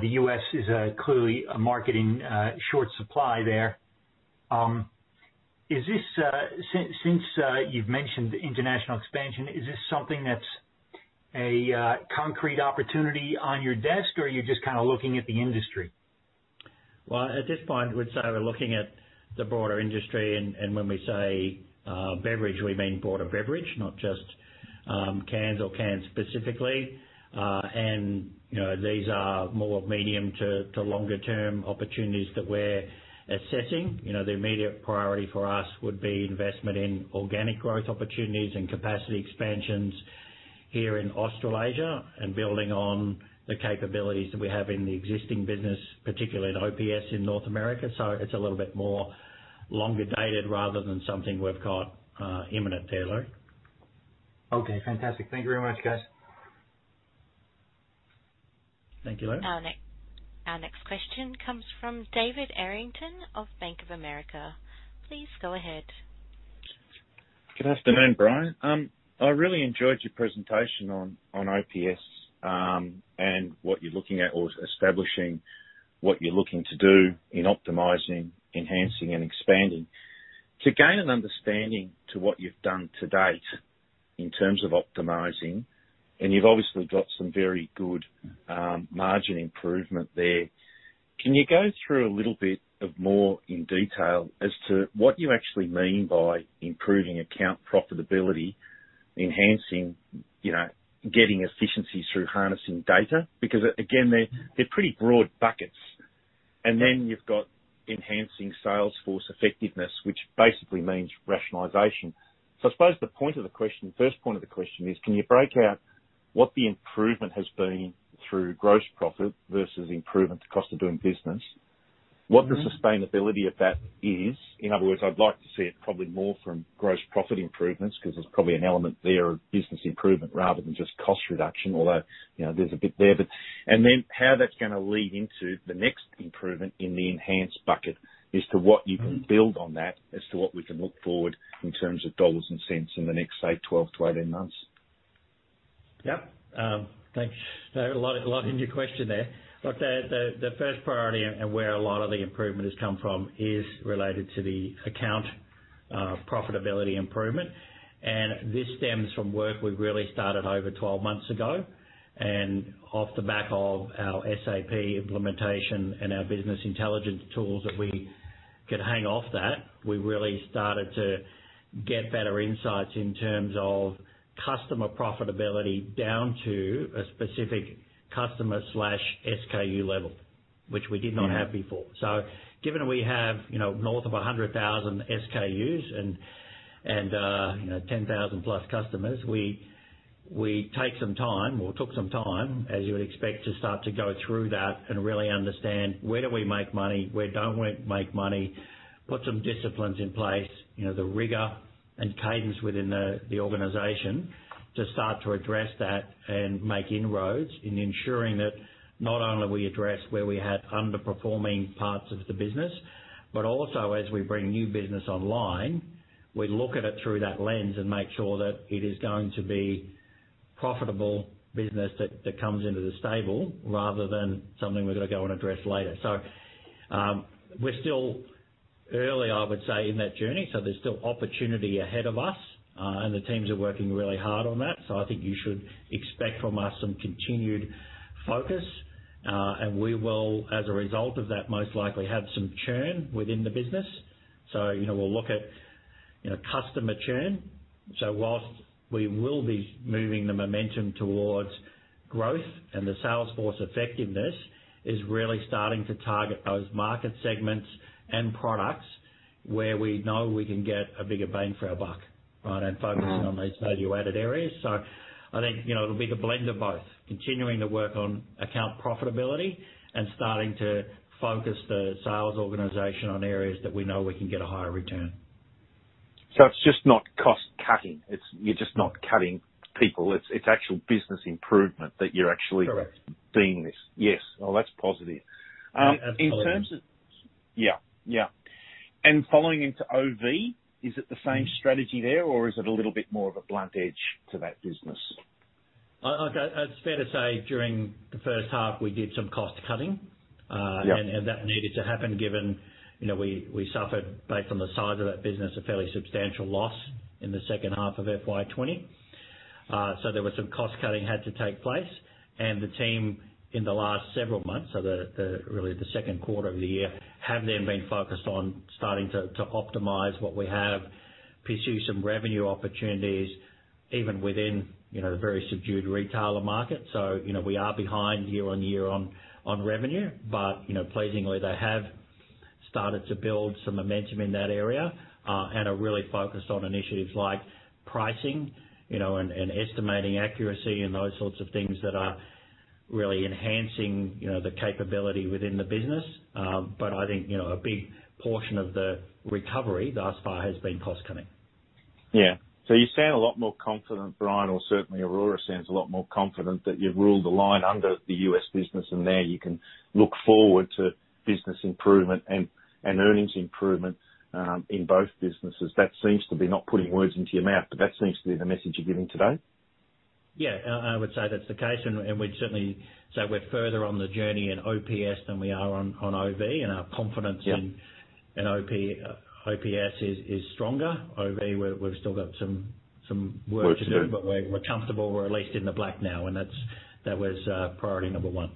The U.S. is clearly a market in short supply there. Since you've mentioned international expansion, is this something that's a concrete opportunity on your desk, or you're just kind of looking at the industry? Well, at this point, I would say we're looking at the broader industry, and when we say beverage, we mean broader beverage, not just cans or cans specifically. These are more medium to longer term opportunities that we're assessing. The immediate priority for us would be investment in organic growth opportunities and capacity expansions here in Australasia and building on the capabilities that we have in the existing business, particularly in OPS in North America. It's a little bit more longer dated rather than something we've got imminent there, Larry. Okay, fantastic. Thank you very much, guys. Thank you, Larry. Our next question comes from David Errington of Bank of America. Please go ahead. Good afternoon, Brian. I really enjoyed your presentation on OPS, and what you're looking at or establishing what you're looking to do in optimizing, enhancing, and expanding. To gain an understanding to what you've done to date in terms of optimizing, and you've obviously got some very good margin improvement there, can you go through a little bit of more in detail as to what you actually mean by improving account profitability, enhancing, getting efficiencies through harnessing data? Again, they're pretty broad buckets. You've got enhancing sales force effectiveness, which basically means rationalization. I suppose the first point of the question is, can you break out what the improvement has been through gross profit versus improvement to cost of doing business? What the sustainability of that is? In other words, I'd like to see it probably more from gross profit improvements, because there's probably an element there of business improvement rather than just cost reduction. There's a bit there. How that's going to lead into the next improvement in the enhanced bucket, is to what you can build on that as to what we can look forward in terms of dollars and cents in the next, say, 12 to 18 months. Yep. Thanks. A lot in your question there. Look, the first priority and where a lot of the improvement has come from is related to the account profitability improvement. This stems from work we've really started over 12 months ago. Off the back of our SAP implementation and our business intelligence tools that we could hang off that, we really started to get better insights in terms of customer profitability down to a specific customer/SKU level, which we did not have before. Given we have north of 100,000 SKUs and 10,000+ customers, we take some time or took some time, as you would expect, to start to go through that and really understand where do we make money, where don't we make money, put some disciplines in place, the rigor and cadence within the organization to start to address that and make inroads in ensuring that not only we address where we had underperforming parts of the business, but also as we bring new business online, we look at it through that lens and make sure that it is going to be profitable business that comes into the stable rather than something we've got to go and address later. We're still early, I would say, in that journey, so there's still opportunity ahead of us. The teams are working really hard on that. I think you should expect from us some continued focus. We will, as a result of that, most likely have some churn within the business. We'll look at customer churn. Whilst we will be moving the momentum towards growth and the sales force effectiveness is really starting to target those market segments and products where we know we can get a bigger bang for our buck, right? Focusing on these value-added areas. I think it'll be the blend of both, continuing to work on account profitability and starting to focus the sales organization on areas that we know we can get a higher return. It's just not cost cutting. You're just not cutting people. It's actual business improvement that you're actually- Correct. ...doing this. Yes. Oh, that's positive. Absolutely. Yeah. Following into OV, is it the same strategy there, or is it a little bit more of a blunt edge to that business? It's fair to say during the first half, we did some cost cutting. Yep. That needed to happen given we suffered, based on the size of that business, a fairly substantial loss in the second half of FY 2020. There was some cost cutting had to take place. The team in the last several months, really the second quarter of the year, have been focused on starting to optimize what we have, pursue some revenue opportunities, even within the very subdued retailer market. We are behind year-on-year on revenue. Pleasingly, they have started to build some momentum in that area, and are really focused on initiatives like pricing and estimating accuracy and those sorts of things that are really enhancing the capability within the business. I think, a big portion of the recovery thus far has been cost cutting. Yeah. You sound a lot more confident, Brian, or certainly Orora sounds a lot more confident that you've ruled a line under the U.S. business, and now you can look forward to business improvement and earnings improvement, in both businesses. Not putting words into your mouth, but that seems to be the message you're giving today. Yeah. I would say that's the case, and we'd certainly say we're further on the journey in OPS than we are on OV. Yeah. OPS is stronger. OV, we've still got some work to do. Work to do. We're comfortable we're at least in the black now, and that was priority number one.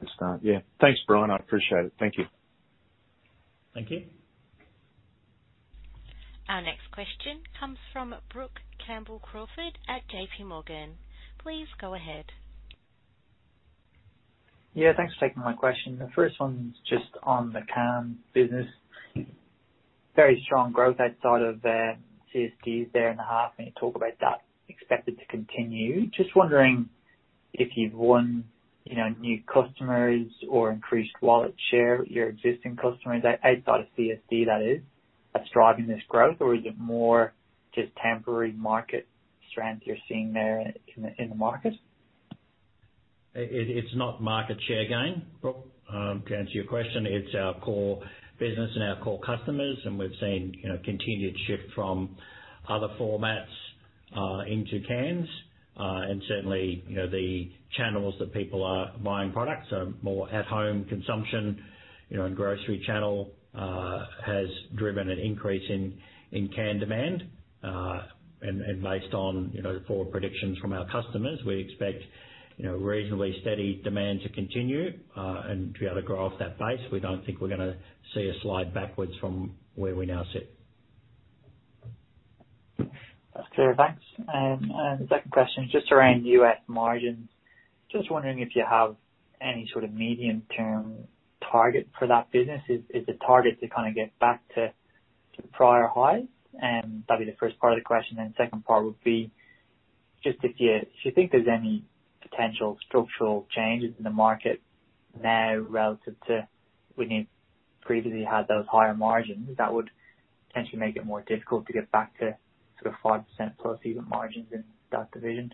Good start. Yeah. Thanks, Brian. I appreciate it. Thank you. Thank you. Our next question comes from Brook Campbell-Crawford at JPMorgan. Please go ahead. Yeah. Thanks for taking my question. The first one's just on the can business. Very strong growth outside of CSDs there in the half. You talk about that expected to continue. Just wondering if you've won new customers or increased wallet share with your existing customers, outside of CSD that is, that's driving this growth, or is it more just temporary market strength you're seeing there in the market? It's not market share gain, Brook, to answer your question. It's our core business and our core customers, we've seen a continued shift from other formats into cans. Certainly, the channels that people are buying products are more at-home consumption, and grocery channel has driven an increase in can demand. Based on forward predictions from our customers, we expect reasonably steady demand to continue, and to be able to grow off that base. We don't think we're going to see a slide backwards from where we now sit. That's clear. Thanks. The second question is just around U.S. margins. Just wondering if you have any sort of medium-term target for that business. Is the target to kind of get back to prior highs? That'd be the first part of the question, and second part would be just if you think there's any potential structural changes in the market now relative to when you previously had those higher margins that would potentially make it more difficult to get back to 5%+ even margins in that division.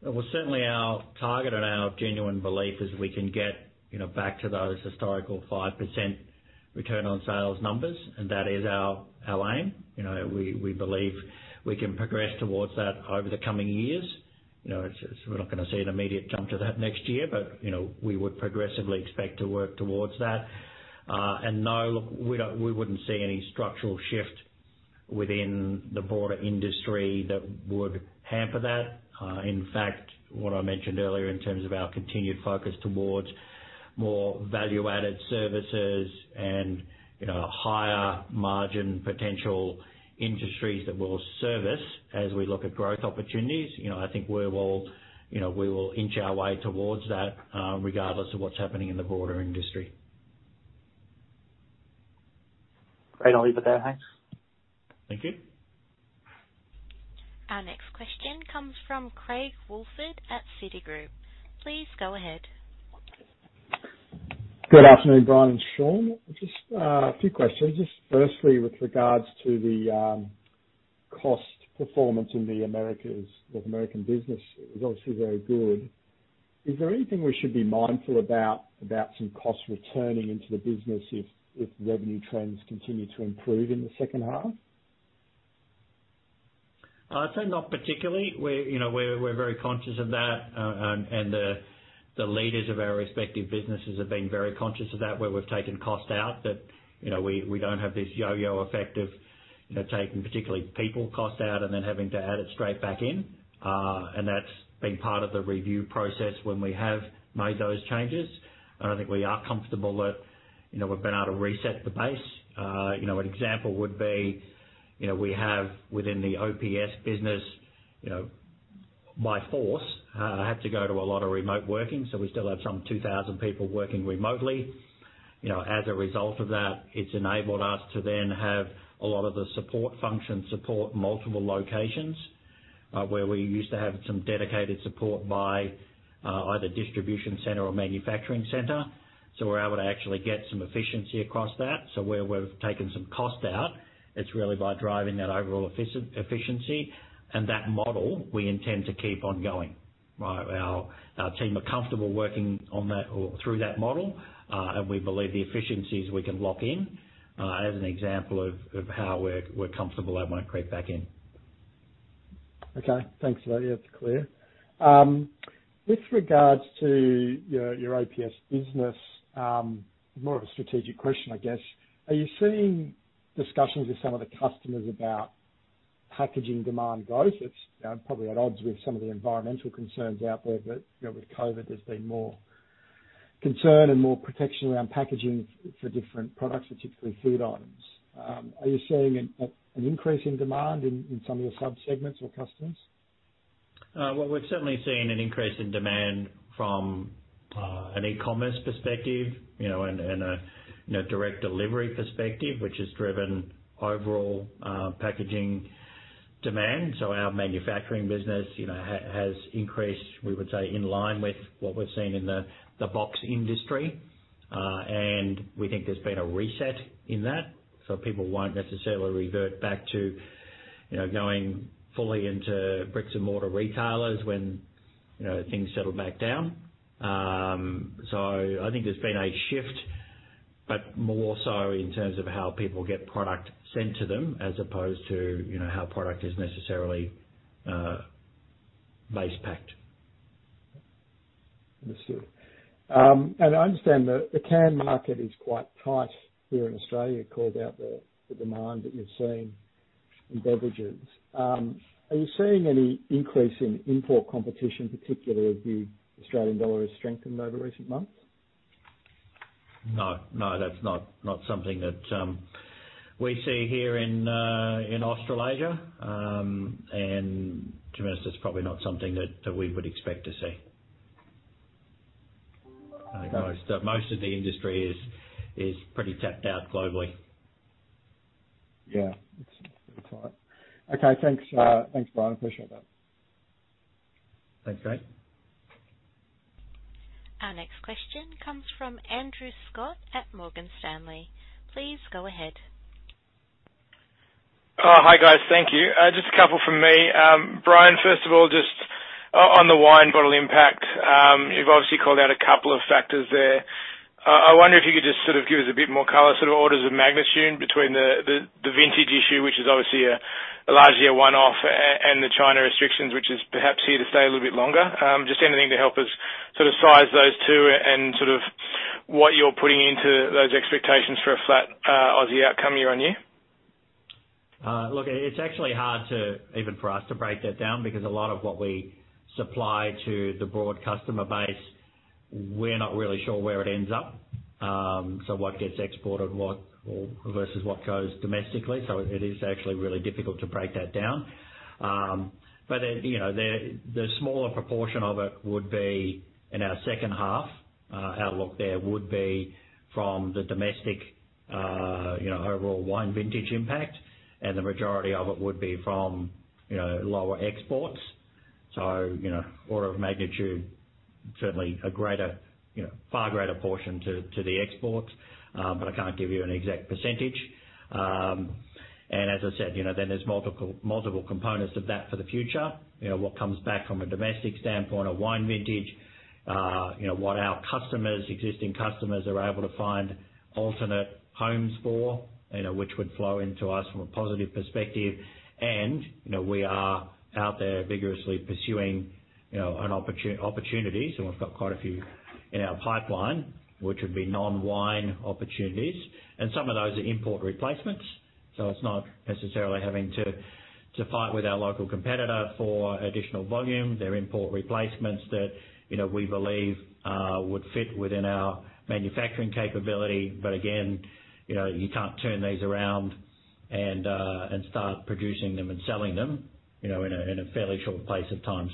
Well, certainly our target and our genuine belief is we can get back to those historical 5% return on sales numbers. That is our aim. We believe we can progress towards that over the coming years. We're not going to see an immediate jump to that next year. We would progressively expect to work towards that. No, we wouldn't see any structural shift within the broader industry that would hamper that. In fact, what I mentioned earlier in terms of our continued focus towards more value-added services and higher margin potential industries that we'll service as we look at growth opportunities. I think we will inch our way towards that, regardless of what's happening in the broader industry. Great. I'll leave it there, thanks. Thank you. Our next question comes from Craig Woolford at Citigroup. Please go ahead. Good afternoon, Brian and Shaun. Just a few questions. Firstly, with regards to the cost performance in the North American business, it was obviously very good. Is there anything we should be mindful about some costs returning into the business if revenue trends continue to improve in the second half? I'd say not particularly. We're very conscious of that, and the leaders of our respective businesses have been very conscious of that, where we've taken cost out that we don't have this yo-yo effect of taking particularly people cost out and then having to add it straight back in. That's been part of the review process when we have made those changes. I think we are comfortable that we've been able to reset the base. An example would be we have within the OPS business, by force, had to go to a lot of remote working, so we still have some 2,000 people working remotely. As a result of that, it's enabled us to then have a lot of the support functions support multiple locations, where we used to have some dedicated support by either distribution center or manufacturing center. We're able to actually get some efficiency across that. Where we've taken some cost out, it's really by driving that overall efficiency. That model we intend to keep on going. Our team are comfortable working on that or through that model, and we believe the efficiencies we can lock in as an example of how we're comfortable that won't creep back in. Okay. Thanks for that. Yeah, that's clear. With regards to your OPS business, more of a strategic question, I guess. Are you seeing discussions with some of the customers about packaging demand growth? It's probably at odds with some of the environmental concerns out there, but with COVID, there's been more concern and more protection around packaging for different products, particularly food items. Are you seeing an increase in demand in some of your sub-segments or customers? Well, we've certainly seen an increase in demand from an e-commerce perspective and a direct delivery perspective, which has driven overall packaging demand. Our manufacturing business has increased, we would say, in line with what we're seeing in the box industry. We think there's been a reset in that. People won't necessarily revert back to going fully into bricks and mortar retailers when things settle back down. I think there's been a shift, but more so in terms of how people get product sent to them as opposed to how product is necessarily base packed. Understood. I understand the can market is quite tight here in Australia because of the demand that you're seeing in beverages. Are you seeing any increase in import competition, particularly as the Australian dollar has strengthened over recent months? No. That's not something that we see here in Australasia. To be honest, it's probably not something that we would expect to see. Most of the industry is pretty tapped out globally. Yeah. It's tight. Okay, thanks. Thanks, Brian. Appreciate that. Thanks, Craig. Our next question comes from Andrew Scott at Morgan Stanley. Please go ahead. Hi, guys. Thank you. Just a couple from me. Brian, first of all, just on the wine bottle impact, you've obviously called out a couple of factors there. I wonder if you could just sort of give us a bit more color, sort of orders of magnitude between the vintage issue, which is obviously a larger one-off and the China restrictions, which is perhaps here to stay a little bit longer. Just anything to help us sort of size those two and sort of what you're putting into those expectations for a flat Aussie outcome year-on-year? Look, it's actually hard even for us to break that down because a lot of what we supply to the broad customer base. We're not really sure where it ends up. What gets exported versus what goes domestically. It is actually really difficult to break that down. The smaller proportion of it would be in our second half outlook there would be from the domestic overall wine vintage impact, and the majority of it would be from lower exports. Order of magnitude, certainly a far greater portion to the exports, but I can't give you an exact percentage. As I said, there's multiple components of that for the future. What comes back from a domestic standpoint, a wine vintage, what our existing customers are able to find alternate homes for, which would flow into us from a positive perspective. We are out there vigorously pursuing opportunities, and we've got quite a few in our pipeline, which would be non-wine opportunities, and some of those are import replacements, so it's not necessarily having to fight with our local competitor for additional volume. They're import replacements that we believe would fit within our manufacturing capability. Again, you can't turn these around and start producing them and selling them, in a fairly short space of time.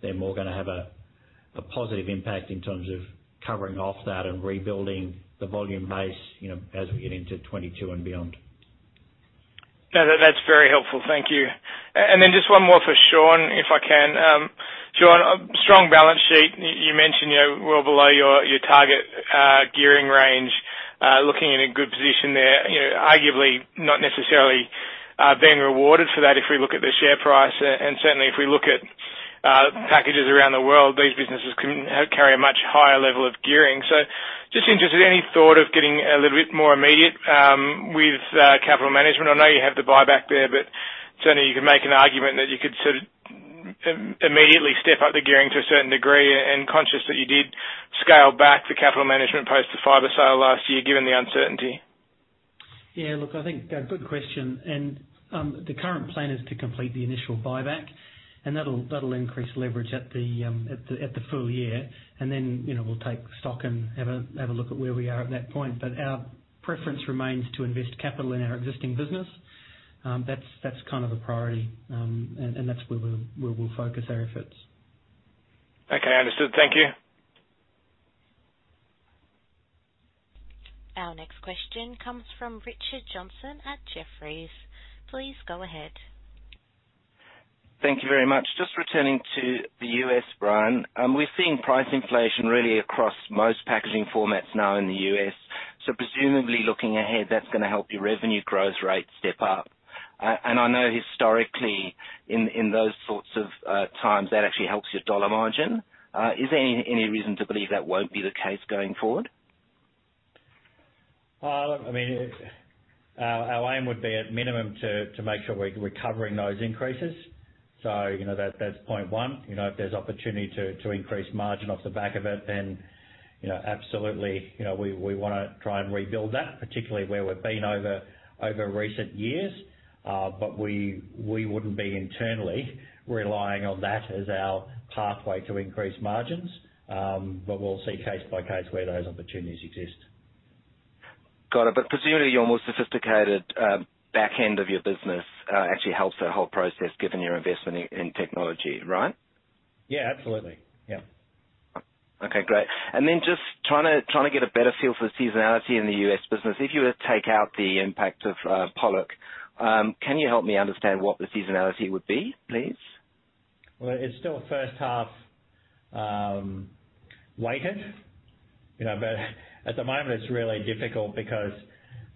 They're more going to have a positive impact in terms of covering off that and rebuilding the volume base as we get into 2022 and beyond. No, that's very helpful. Thank you. Just one more for Shaun, if I can. Shaun, strong balance sheet, you mentioned you're well below your target gearing range, looking in a good position there, arguably not necessarily being rewarded for that, if we look at the share price, and certainly if we look at packages around the world, these businesses carry a much higher level of gearing. Just interested, any thought of getting a little bit more immediate with capital management? I know you have the buyback there, but certainly you could make an argument that you could sort of immediately step up the gearing to a certain degree and conscious that you did scale back the capital management post the Fibre sale last year, given the uncertainty. Yeah, look, I think, good question. The current plan is to complete the initial buyback, and that'll increase leverage at the full year. We'll take stock and have a look at where we are at that point. Our preference remains to invest capital in our existing business. That's kind of the priority. That's where we'll focus our efforts. Okay, understood. Thank you. Our next question comes from Richard Johnson at Jefferies. Please go ahead. Thank you very much. Just returning to the U.S., Brian. We're seeing price inflation really across most packaging formats now in the U.S. Presumably looking ahead, that's going to help your revenue growth rate step up. And I know historically in those sorts of times, that actually helps your dollar margin. Is there any reason to believe that won't be the case going forward? Our aim would be at minimum to make sure we're covering those increases. That's point one. If there's opportunity to increase margin off the back of it, then absolutely, we want to try and rebuild that, particularly where we've been over recent years. We wouldn't be internally relying on that as our pathway to increase margins. We'll see case by case where those opportunities exist. Got it. Presumably, your more sophisticated back end of your business actually helps that whole process, given your investment in technology, right? Yeah, absolutely. Yeah. Okay, great. Just trying to get a better feel for the seasonality in the U.S. business. If you were to take out the impact of Pollock, can you help me understand what the seasonality would be, please? It's still first half weighted. At the moment it's really difficult because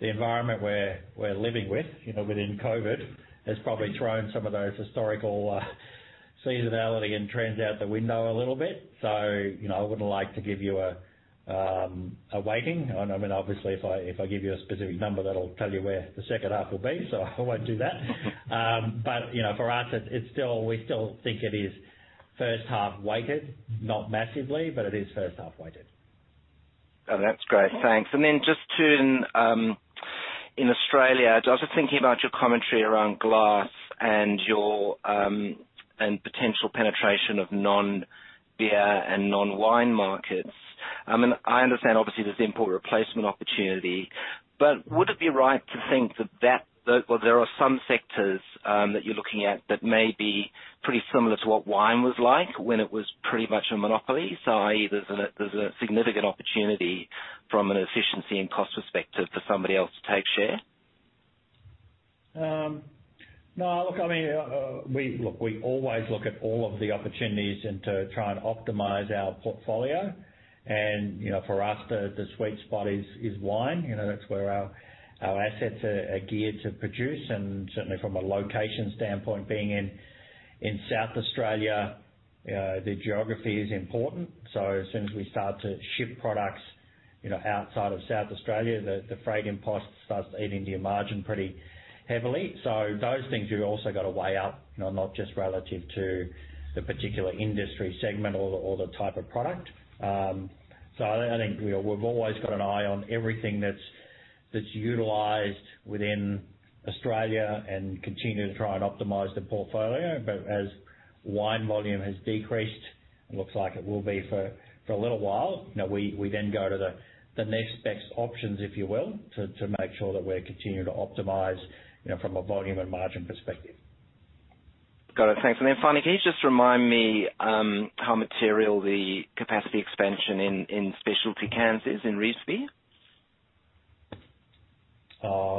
the environment we're living with within COVID has probably thrown some of those historical seasonality and trends out the window a little bit. I wouldn't like to give you a weighting. Obviously, if I give you a specific number, that'll tell you where the second half will be, I won't do that. For us, we still think it is first half weighted. Not massively, but it is first half weighted. That's great. Thanks. Just in Australia, I was just thinking about your commentary around glass and potential penetration of non-beer and non-wine markets. I understand obviously there's import replacement opportunity, but would it be right to think that there are some sectors that you're looking at that may be pretty similar to what wine was like when it was pretty much a monopoly? I.e., there's a significant opportunity from an efficiency and cost perspective for somebody else to take share? Look, we always look at all of the opportunities and to try and optimize our portfolio. For us, the sweet spot is wine. That's where our assets are geared to produce, and certainly from a location standpoint, being in South Australia, the geography is important. As soon as we start to ship products outside of South Australia, the freight impost starts eating into your margin pretty heavily. Those things you've also got to weigh up, not just relative to the particular industry segment or the type of product. I think we've always got an eye on everything that's utilized within Australia and continue to try and optimize the portfolio. As wine volume has decreased, it looks like it will be for a little while, we then go to the next best options, if you will, to make sure that we're continuing to optimize from a volume and margin perspective. Got it. Thanks. Then finally, can you just remind me how material the capacity expansion in specialty cans is in Revesby?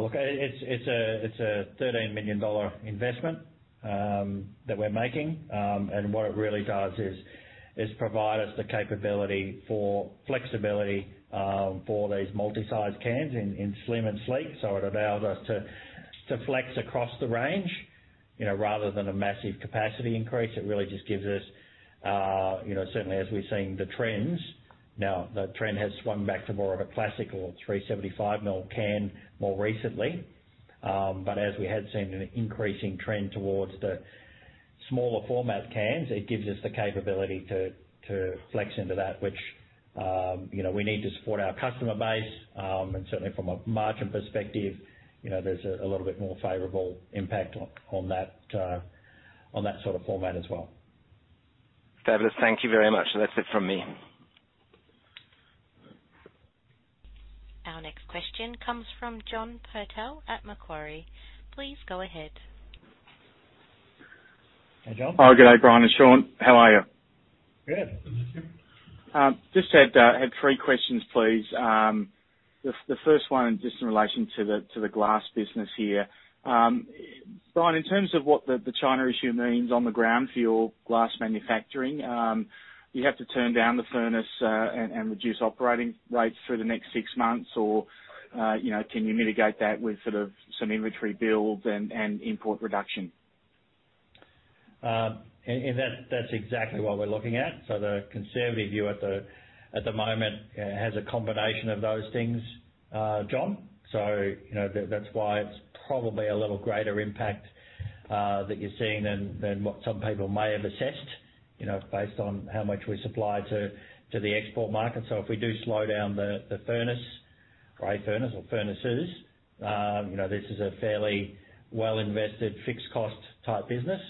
Look, it's a 13 million dollar investment that we're making. What it really does is provide us the capability for flexibility for these multi-sized cans in slim and sleek. It allows us to flex across the range, rather than a massive capacity increase. It really just gives us, certainly as we're seeing the trends, now the trend has swung back to more of a classical 375 ml can more recently. As we had seen an increasing trend towards the smaller format cans, it gives us the capability to flex into that which we need to support our customer base. Certainly from a margin perspective, there's a little bit more favorable impact on that sort of format as well. Fabulous. Thank you very much. That's it from me. Our next question comes from John Purtell at Macquarie. Please go ahead. Hey, John. Oh, good day, Brian and Shaun. How are you? Good. Just had three questions, please. The first one is just in relation to the glass business here. Brian, in terms of what the China issue means on the ground for your glass manufacturing, do you have to turn down the furnace, and reduce operating rates through the next six months, or can you mitigate that with some inventory builds and import reduction? That's exactly what we're looking at. The conservative view at the moment has a combination of those things, John. That's why it's probably a little greater impact that you're seeing than what some people may have assessed based on how much we supply to the export market. If we do slow down the furnace or furnaces, this is a fairly well-invested fixed cost type business.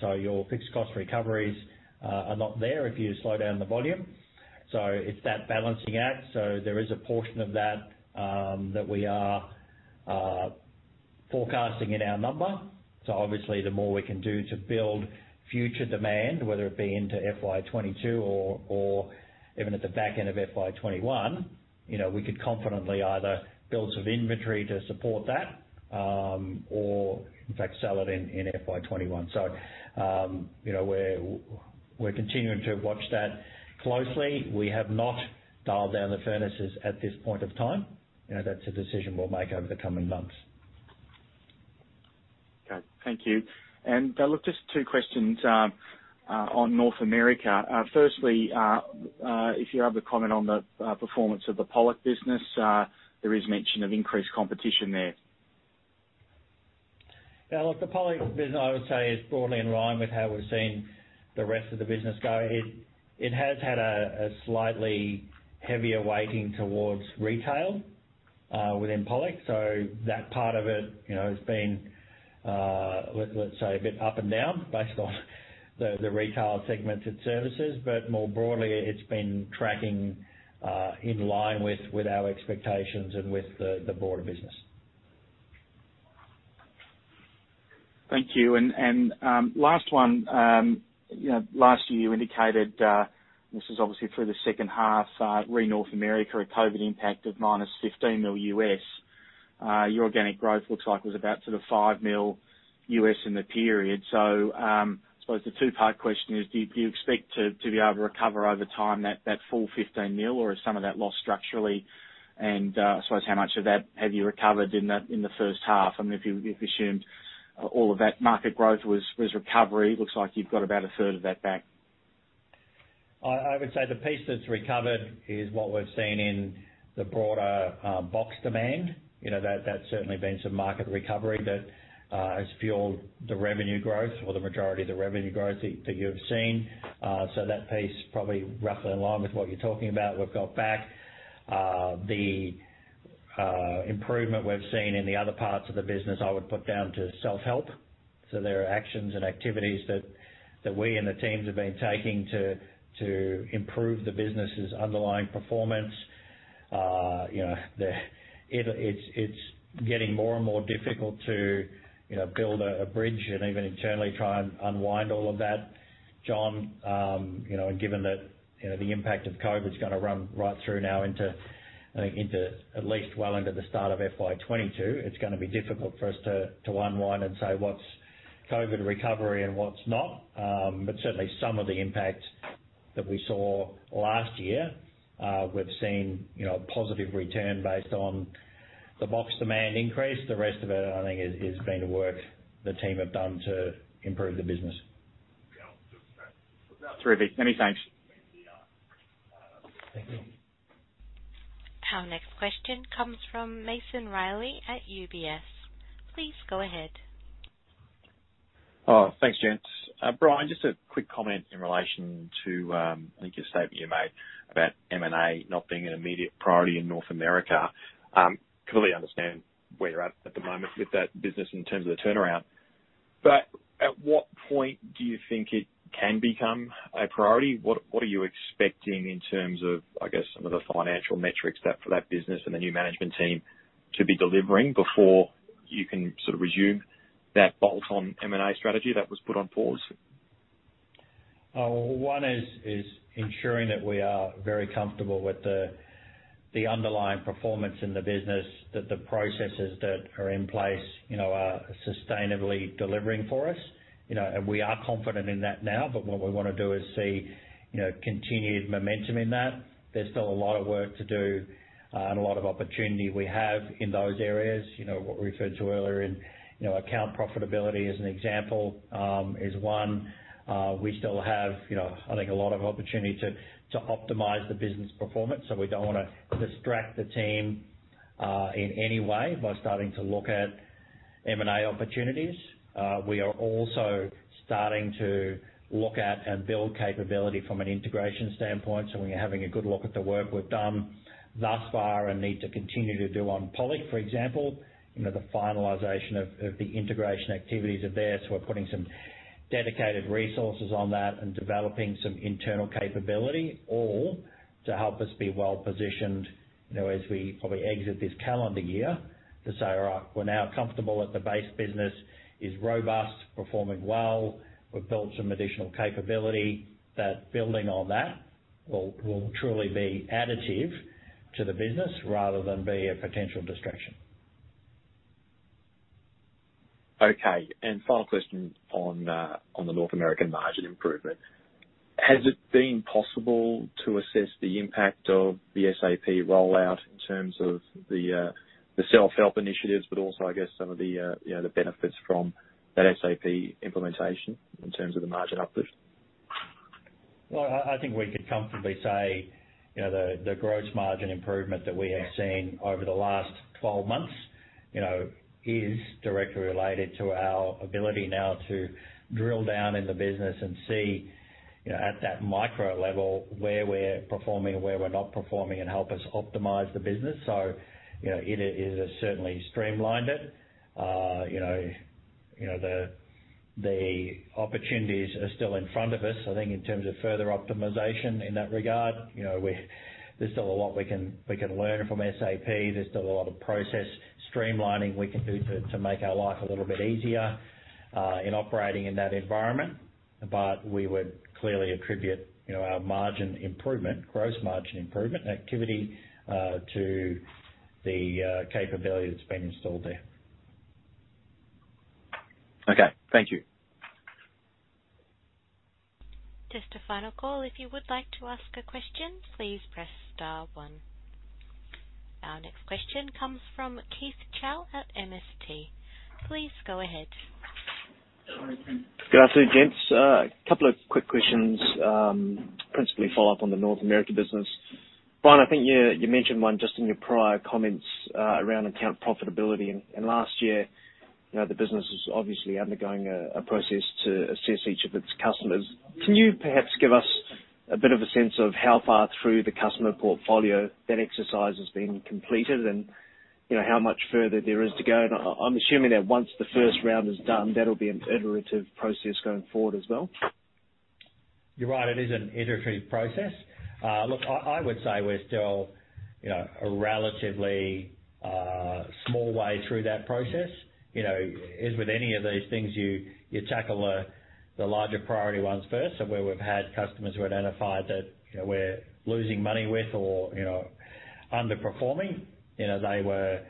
Your fixed cost recoveries are not there if you slow down the volume. It's that balancing act. There is a portion of that we are forecasting in our number. Obviously the more we can do to build future demand, whether it be into FY 2022 or even at the back end of FY 2021, we could confidently either build some inventory to support that, or in fact sell it in FY 2021. We're continuing to watch that closely. We have not dialed down the furnaces at this point of time. That's a decision we'll make over the coming months. Okay. Thank you. Look, just two questions on North America. Firstly, if you have a comment on the performance of the Pollock business, there is mention of increased competition there. Yeah, look, the Pollock business, I would say, is broadly in line with how we're seeing the rest of the business go. It has had a slightly heavier weighting towards retail within Pollock. That part of it has been, let's say, a bit up and down based on the retail segment it services. More broadly, it's been tracking in line with our expectations and with the broader business. Thank you. Last one. Last year you indicated, this is obviously for the second half re North America, a COVID impact of -$15 million. Your organic growth looks like it was about sort of $5 million in the period. So, I suppose the two-part question is, do you expect to be able to recover over time that full $15 million, or is some of that lost structurally? And I suppose how much of that have you recovered in the first half? If you assumed all of that market growth was recovery, looks like you've got about a third of that back. I would say the piece that's recovered is what we've seen in the broader box demand. That's certainly been some market recovery that has fueled the revenue growth or the majority of the revenue growth that you've seen. That piece probably roughly in line with what you're talking about, we've got back. The improvement we've seen in the other parts of the business, I would put down to self-help. There are actions and activities that we and the teams have been taking to improve the business' underlying performance. It's getting more and more difficult to build a bridge and even internally try and unwind all of that, John, and given that the impact of COVID's gonna run right through now into, I think at least well into the start of FY 2022, it's gonna be difficult for us to unwind and say what's COVID recovery and what's not. Certainly some of the impact that we saw last year, we've seen a positive return based on the box demand increase. The rest of it I think has been the work the team have done to improve the business. Terrific. Many thanks. Thank you. Our next question comes from Nathan Reilley at UBS. Please go ahead. Oh, thanks, gents. Brian, just a quick comment in relation to I think a statement you made about M&A not being an immediate priority in North America. Clearly understand where you're at at the moment with that business in terms of the turnaround. At what point do you think it can become a priority? What are you expecting in terms of, I guess, some of the financial metrics for that business and the new management team to be delivering before you can resume that bolt-on M&A strategy that was put on pause? One is ensuring that we are very comfortable with the underlying performance in the business, that the processes that are in place are sustainably delivering for us. We are confident in that now, but what we want to do is see continued momentum in that. There's still a lot of work to do and a lot of opportunity we have in those areas. What we referred to earlier in account profitability, as an example, is one. We still have I think a lot of opportunity to optimize the business performance, so we don't want to distract the team, in any way by starting to look at M&A opportunities. We are also starting to look at and build capability from an integration standpoint. We are having a good look at the work we've done thus far and need to continue to do on Pollock, for example. The finalization of the integration activities are there, so we're putting some dedicated resources on that and developing some internal capability all to help us be well-positioned, as we probably exit this calendar year to say, all right, we're now comfortable that the base business is robust, performing well. We've built some additional capability that building on that will truly be additive to the business rather than be a potential distraction. Okay. Final question on the North American margin improvement. Has it been possible to assess the impact of the SAP rollout in terms of the self-help initiatives, but also, I guess, some of the benefits from that SAP implementation in terms of the margin uplift? Well, I think we could comfortably say, the gross margin improvement that we have seen over the last 12 months is directly related to our ability now to drill down in the business and see at that micro level where we're performing, where we're not performing, and help us optimize the business. It has certainly streamlined it. The opportunities are still in front of us, I think, in terms of further optimization in that regard. There's still a lot we can learn from SAP. There's still a lot of process streamlining we can do to make our life a little bit easier in operating in that environment. We would clearly attribute our margin improvement, gross margin improvement and activity, to the capability that's been installed there. Okay. Thank you. Just a final call. If you would like to ask a question, please press star one. Our next question comes from Keith Chau at MST. Please go ahead. Good afternoon, gents. A couple of quick questions, principally follow up on the North America business. Brian, I think you mentioned one just in your prior comments, around account profitability and last year, the business was obviously undergoing a process to assess each of its customers. Can you perhaps give us a bit of a sense of how far through the customer portfolio that exercise has been completed and how much further there is to go? I'm assuming that once the first round is done, that'll be an iterative process going forward as well. You're right, it is an iterative process. I would say we're still a relatively small way through that process. As with any of these things, you tackle the larger priority ones first. Where we've had customers who identified that we're losing money with or underperforming, they were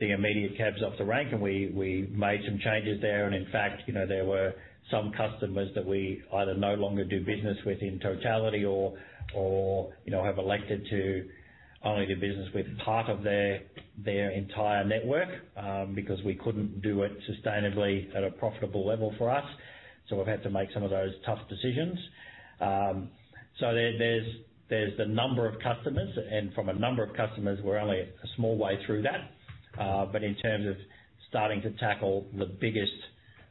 the immediate cabs off the rank and we made some changes there. In fact, there were some customers that we either no longer do business with in totality or have elected to only do business with part of their entire network, because we couldn't do it sustainably at a profitable level for us. We've had to make some of those tough decisions. There's the number of customers, and from a number of customers, we're only a small way through that. In terms of starting to tackle the biggest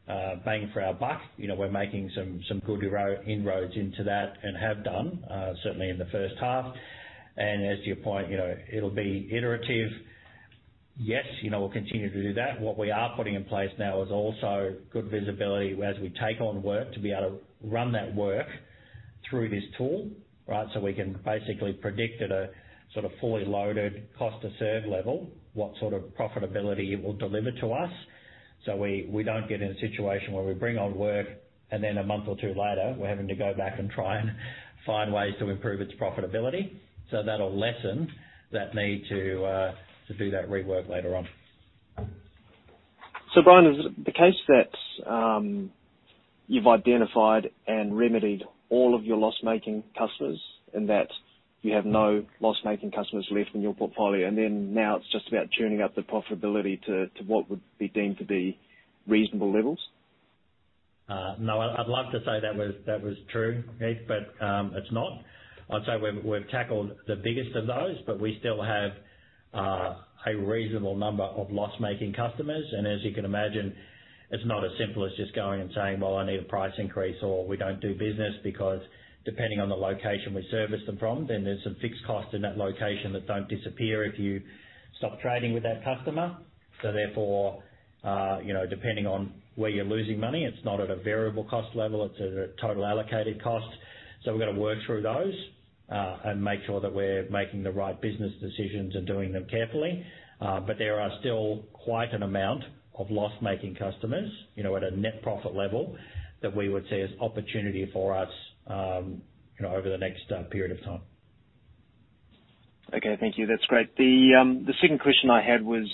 bang for our buck, we're making some good inroads into that and have done, certainly in the first half. As to your point, it'll be iterative. Yes, we'll continue to do that. What we are putting in place now is also good visibility as we take on work to be able to run that work through this tool, right? We can basically predict at a sort of fully loaded cost to serve level what sort of profitability it will deliver to us. We don't get in a situation where we bring on work and then a month or two later we're having to go back and try and find ways to improve its profitability. That'll lessen that need to do that rework later on. Brian, is it the case that you've identified and remedied all of your loss-making customers and that you have no loss-making customers left in your portfolio, and then now it's just about tuning up the profitability to what would be deemed to be reasonable levels? No, I'd love to say that was true, Keith, but it's not. I'd say we've tackled the biggest of those, but we still have a reasonable number of loss-making customers. As you can imagine, it's not as simple as just going and saying, "Well, I need a price increase," or, "We don't do business," because depending on the location we service them from, then there's some fixed costs in that location that don't disappear if you stop trading with that customer. Therefore, depending on where you're losing money, it's not at a variable cost level, it's at a total allocated cost. We've got to work through those, and make sure that we're making the right business decisions and doing them carefully. There are still quite an amount of loss-making customers, at a net profit level, that we would see as opportunity for us over the next period of time. Okay, thank you. That's great. The second question I had was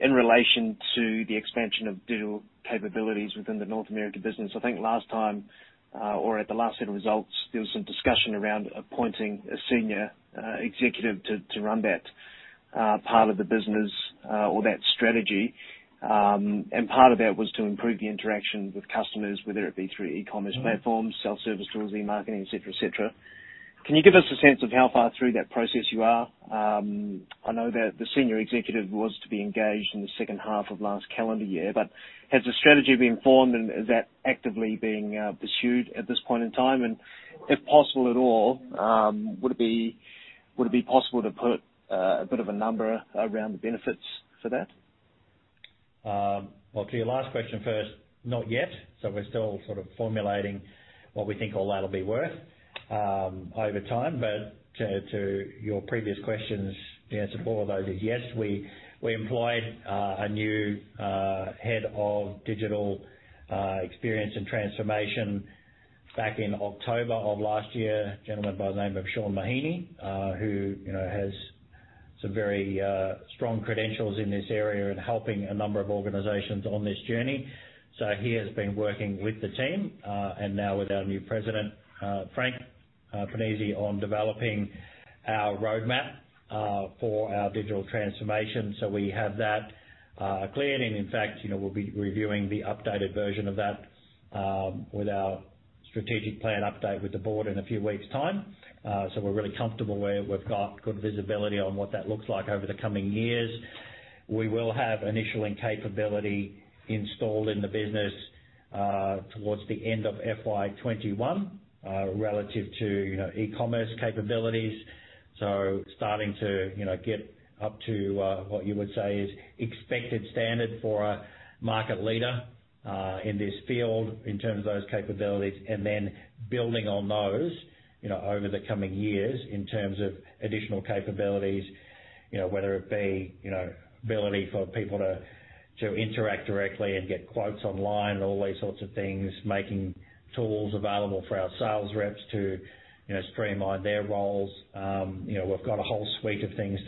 in relation to the expansion of digital capabilities within the North America business. I think last time, or at the last set of results, there was some discussion around appointing a senior executive to run that part of the business, or that strategy. Part of that was to improve the interaction with customers, whether it be through e-commerce platforms, self-service tools, e-marketing, et cetera. Can you give us a sense of how far through that process you are? I know that the senior executive was to be engaged in the second half of last calendar year, has a strategy been formed and is that actively being pursued at this point in time? If possible at all, would it be possible to put a bit of a number around the benefits for that? To your last question first, not yet. We're still sort of formulating what we think all that'll be worth over time. To your previous questions, the answer to all of those is yes. We employed a new head of digital experience and transformation back in October of last year, a gentleman by the name of Sean Mahaney, who has some very strong credentials in this area in helping a number of organizations on this journey. He has been working with the team, and now with our new President, Frank Pennisi, on developing our roadmap for our digital transformation. We have that cleared and in fact, we'll be reviewing the updated version of that, with our strategic plan update with the board in a few weeks' time. We're really comfortable we've got good visibility on what that looks like over the coming years. We will have initialing capability installed in the business towards the end of FY 2021, relative to e-commerce capabilities. Starting to get up to what you would say is expected standard for a market leader, in this field, in terms of those capabilities, and then building on those over the coming years in terms of additional capabilities, whether it be ability for people to interact directly and get quotes online, all these sorts of things. Making tools available for our sales reps to streamline their roles. We've got a whole suite of things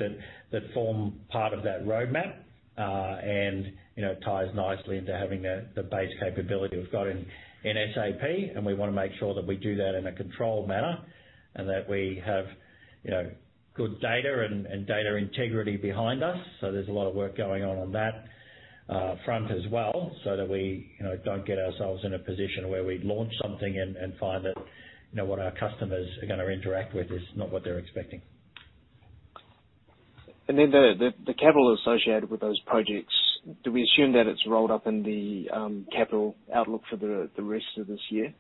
that form part of that roadmap, and it ties nicely into having the base capability we've got in SAP, and we want to make sure that we do that in a controlled manner, and that we have good data and data integrity behind us. There's a lot of work going on on that front as well so that we don't get ourselves in a position where we launch something and find that what our customers are going to interact with is not what they're expecting. The capital associated with those projects, do we assume that it's rolled up in the capital outlook for the rest of this year?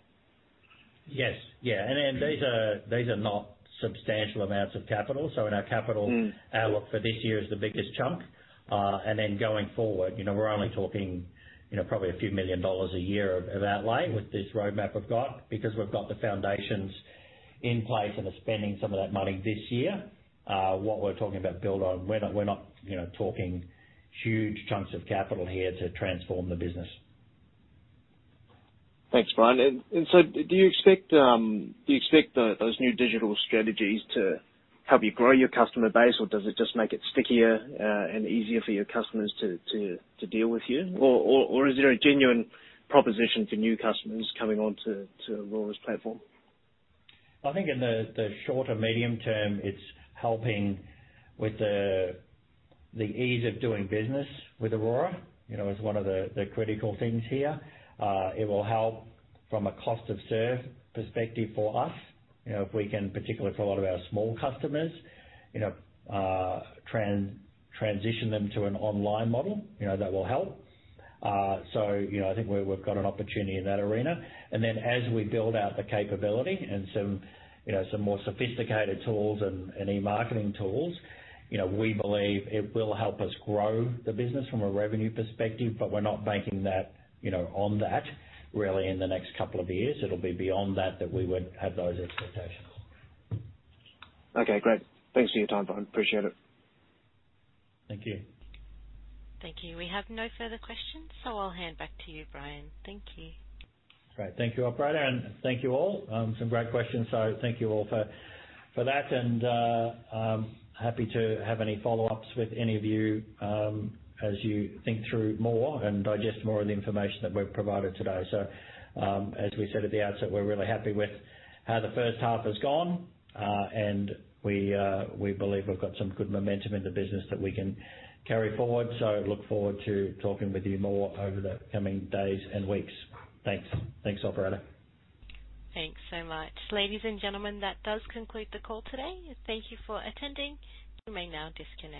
Yes. These are not substantial amounts of capital. In our capital outlook for this year is the biggest chunk. Then going forward, we're only talking probably a few million dollars a year of outlay with this roadmap we've got, because we've got the foundations in place and are spending some of that money this year. What we're talking about build on, we're not talking huge chunks of capital here to transform the business. Thanks, Brian. Do you expect those new digital strategies to help you grow your customer base, or does it just make it stickier and easier for your customers to deal with you? Or is there a genuine proposition for new customers coming onto Orora's platform? I think in the short or medium term, it's helping with the ease of doing business with Orora, is one of the critical things here. It will help from a cost of serve perspective for us. If we can, particularly for a lot of our small customers, transition them to an online model, that will help. I think we've got an opportunity in that arena. As we build out the capability and some more sophisticated tools and e-marketing tools, we believe it will help us grow the business from a revenue perspective, but we're not banking that on that really in the next couple of years. It'll be beyond that that we would have those expectations. Okay, great. Thanks for your time, Brian. Appreciate it. Thank you. Thank you. We have no further questions, so I'll hand back to you, Brian. Thank you. Great. Thank you, operator, and thank you all. Some great questions. Thank you all for that. Happy to have any follow-ups with any of you, as you think through more and digest more of the information that we've provided today. As we said at the outset, we're really happy with how the first half has gone. We believe we've got some good momentum in the business that we can carry forward. Look forward to talking with you more over the coming days and weeks. Thanks. Thanks, operator. Thanks so much. Ladies and gentlemen, that does conclude the call today. Thank you for attending. You may now disconnect.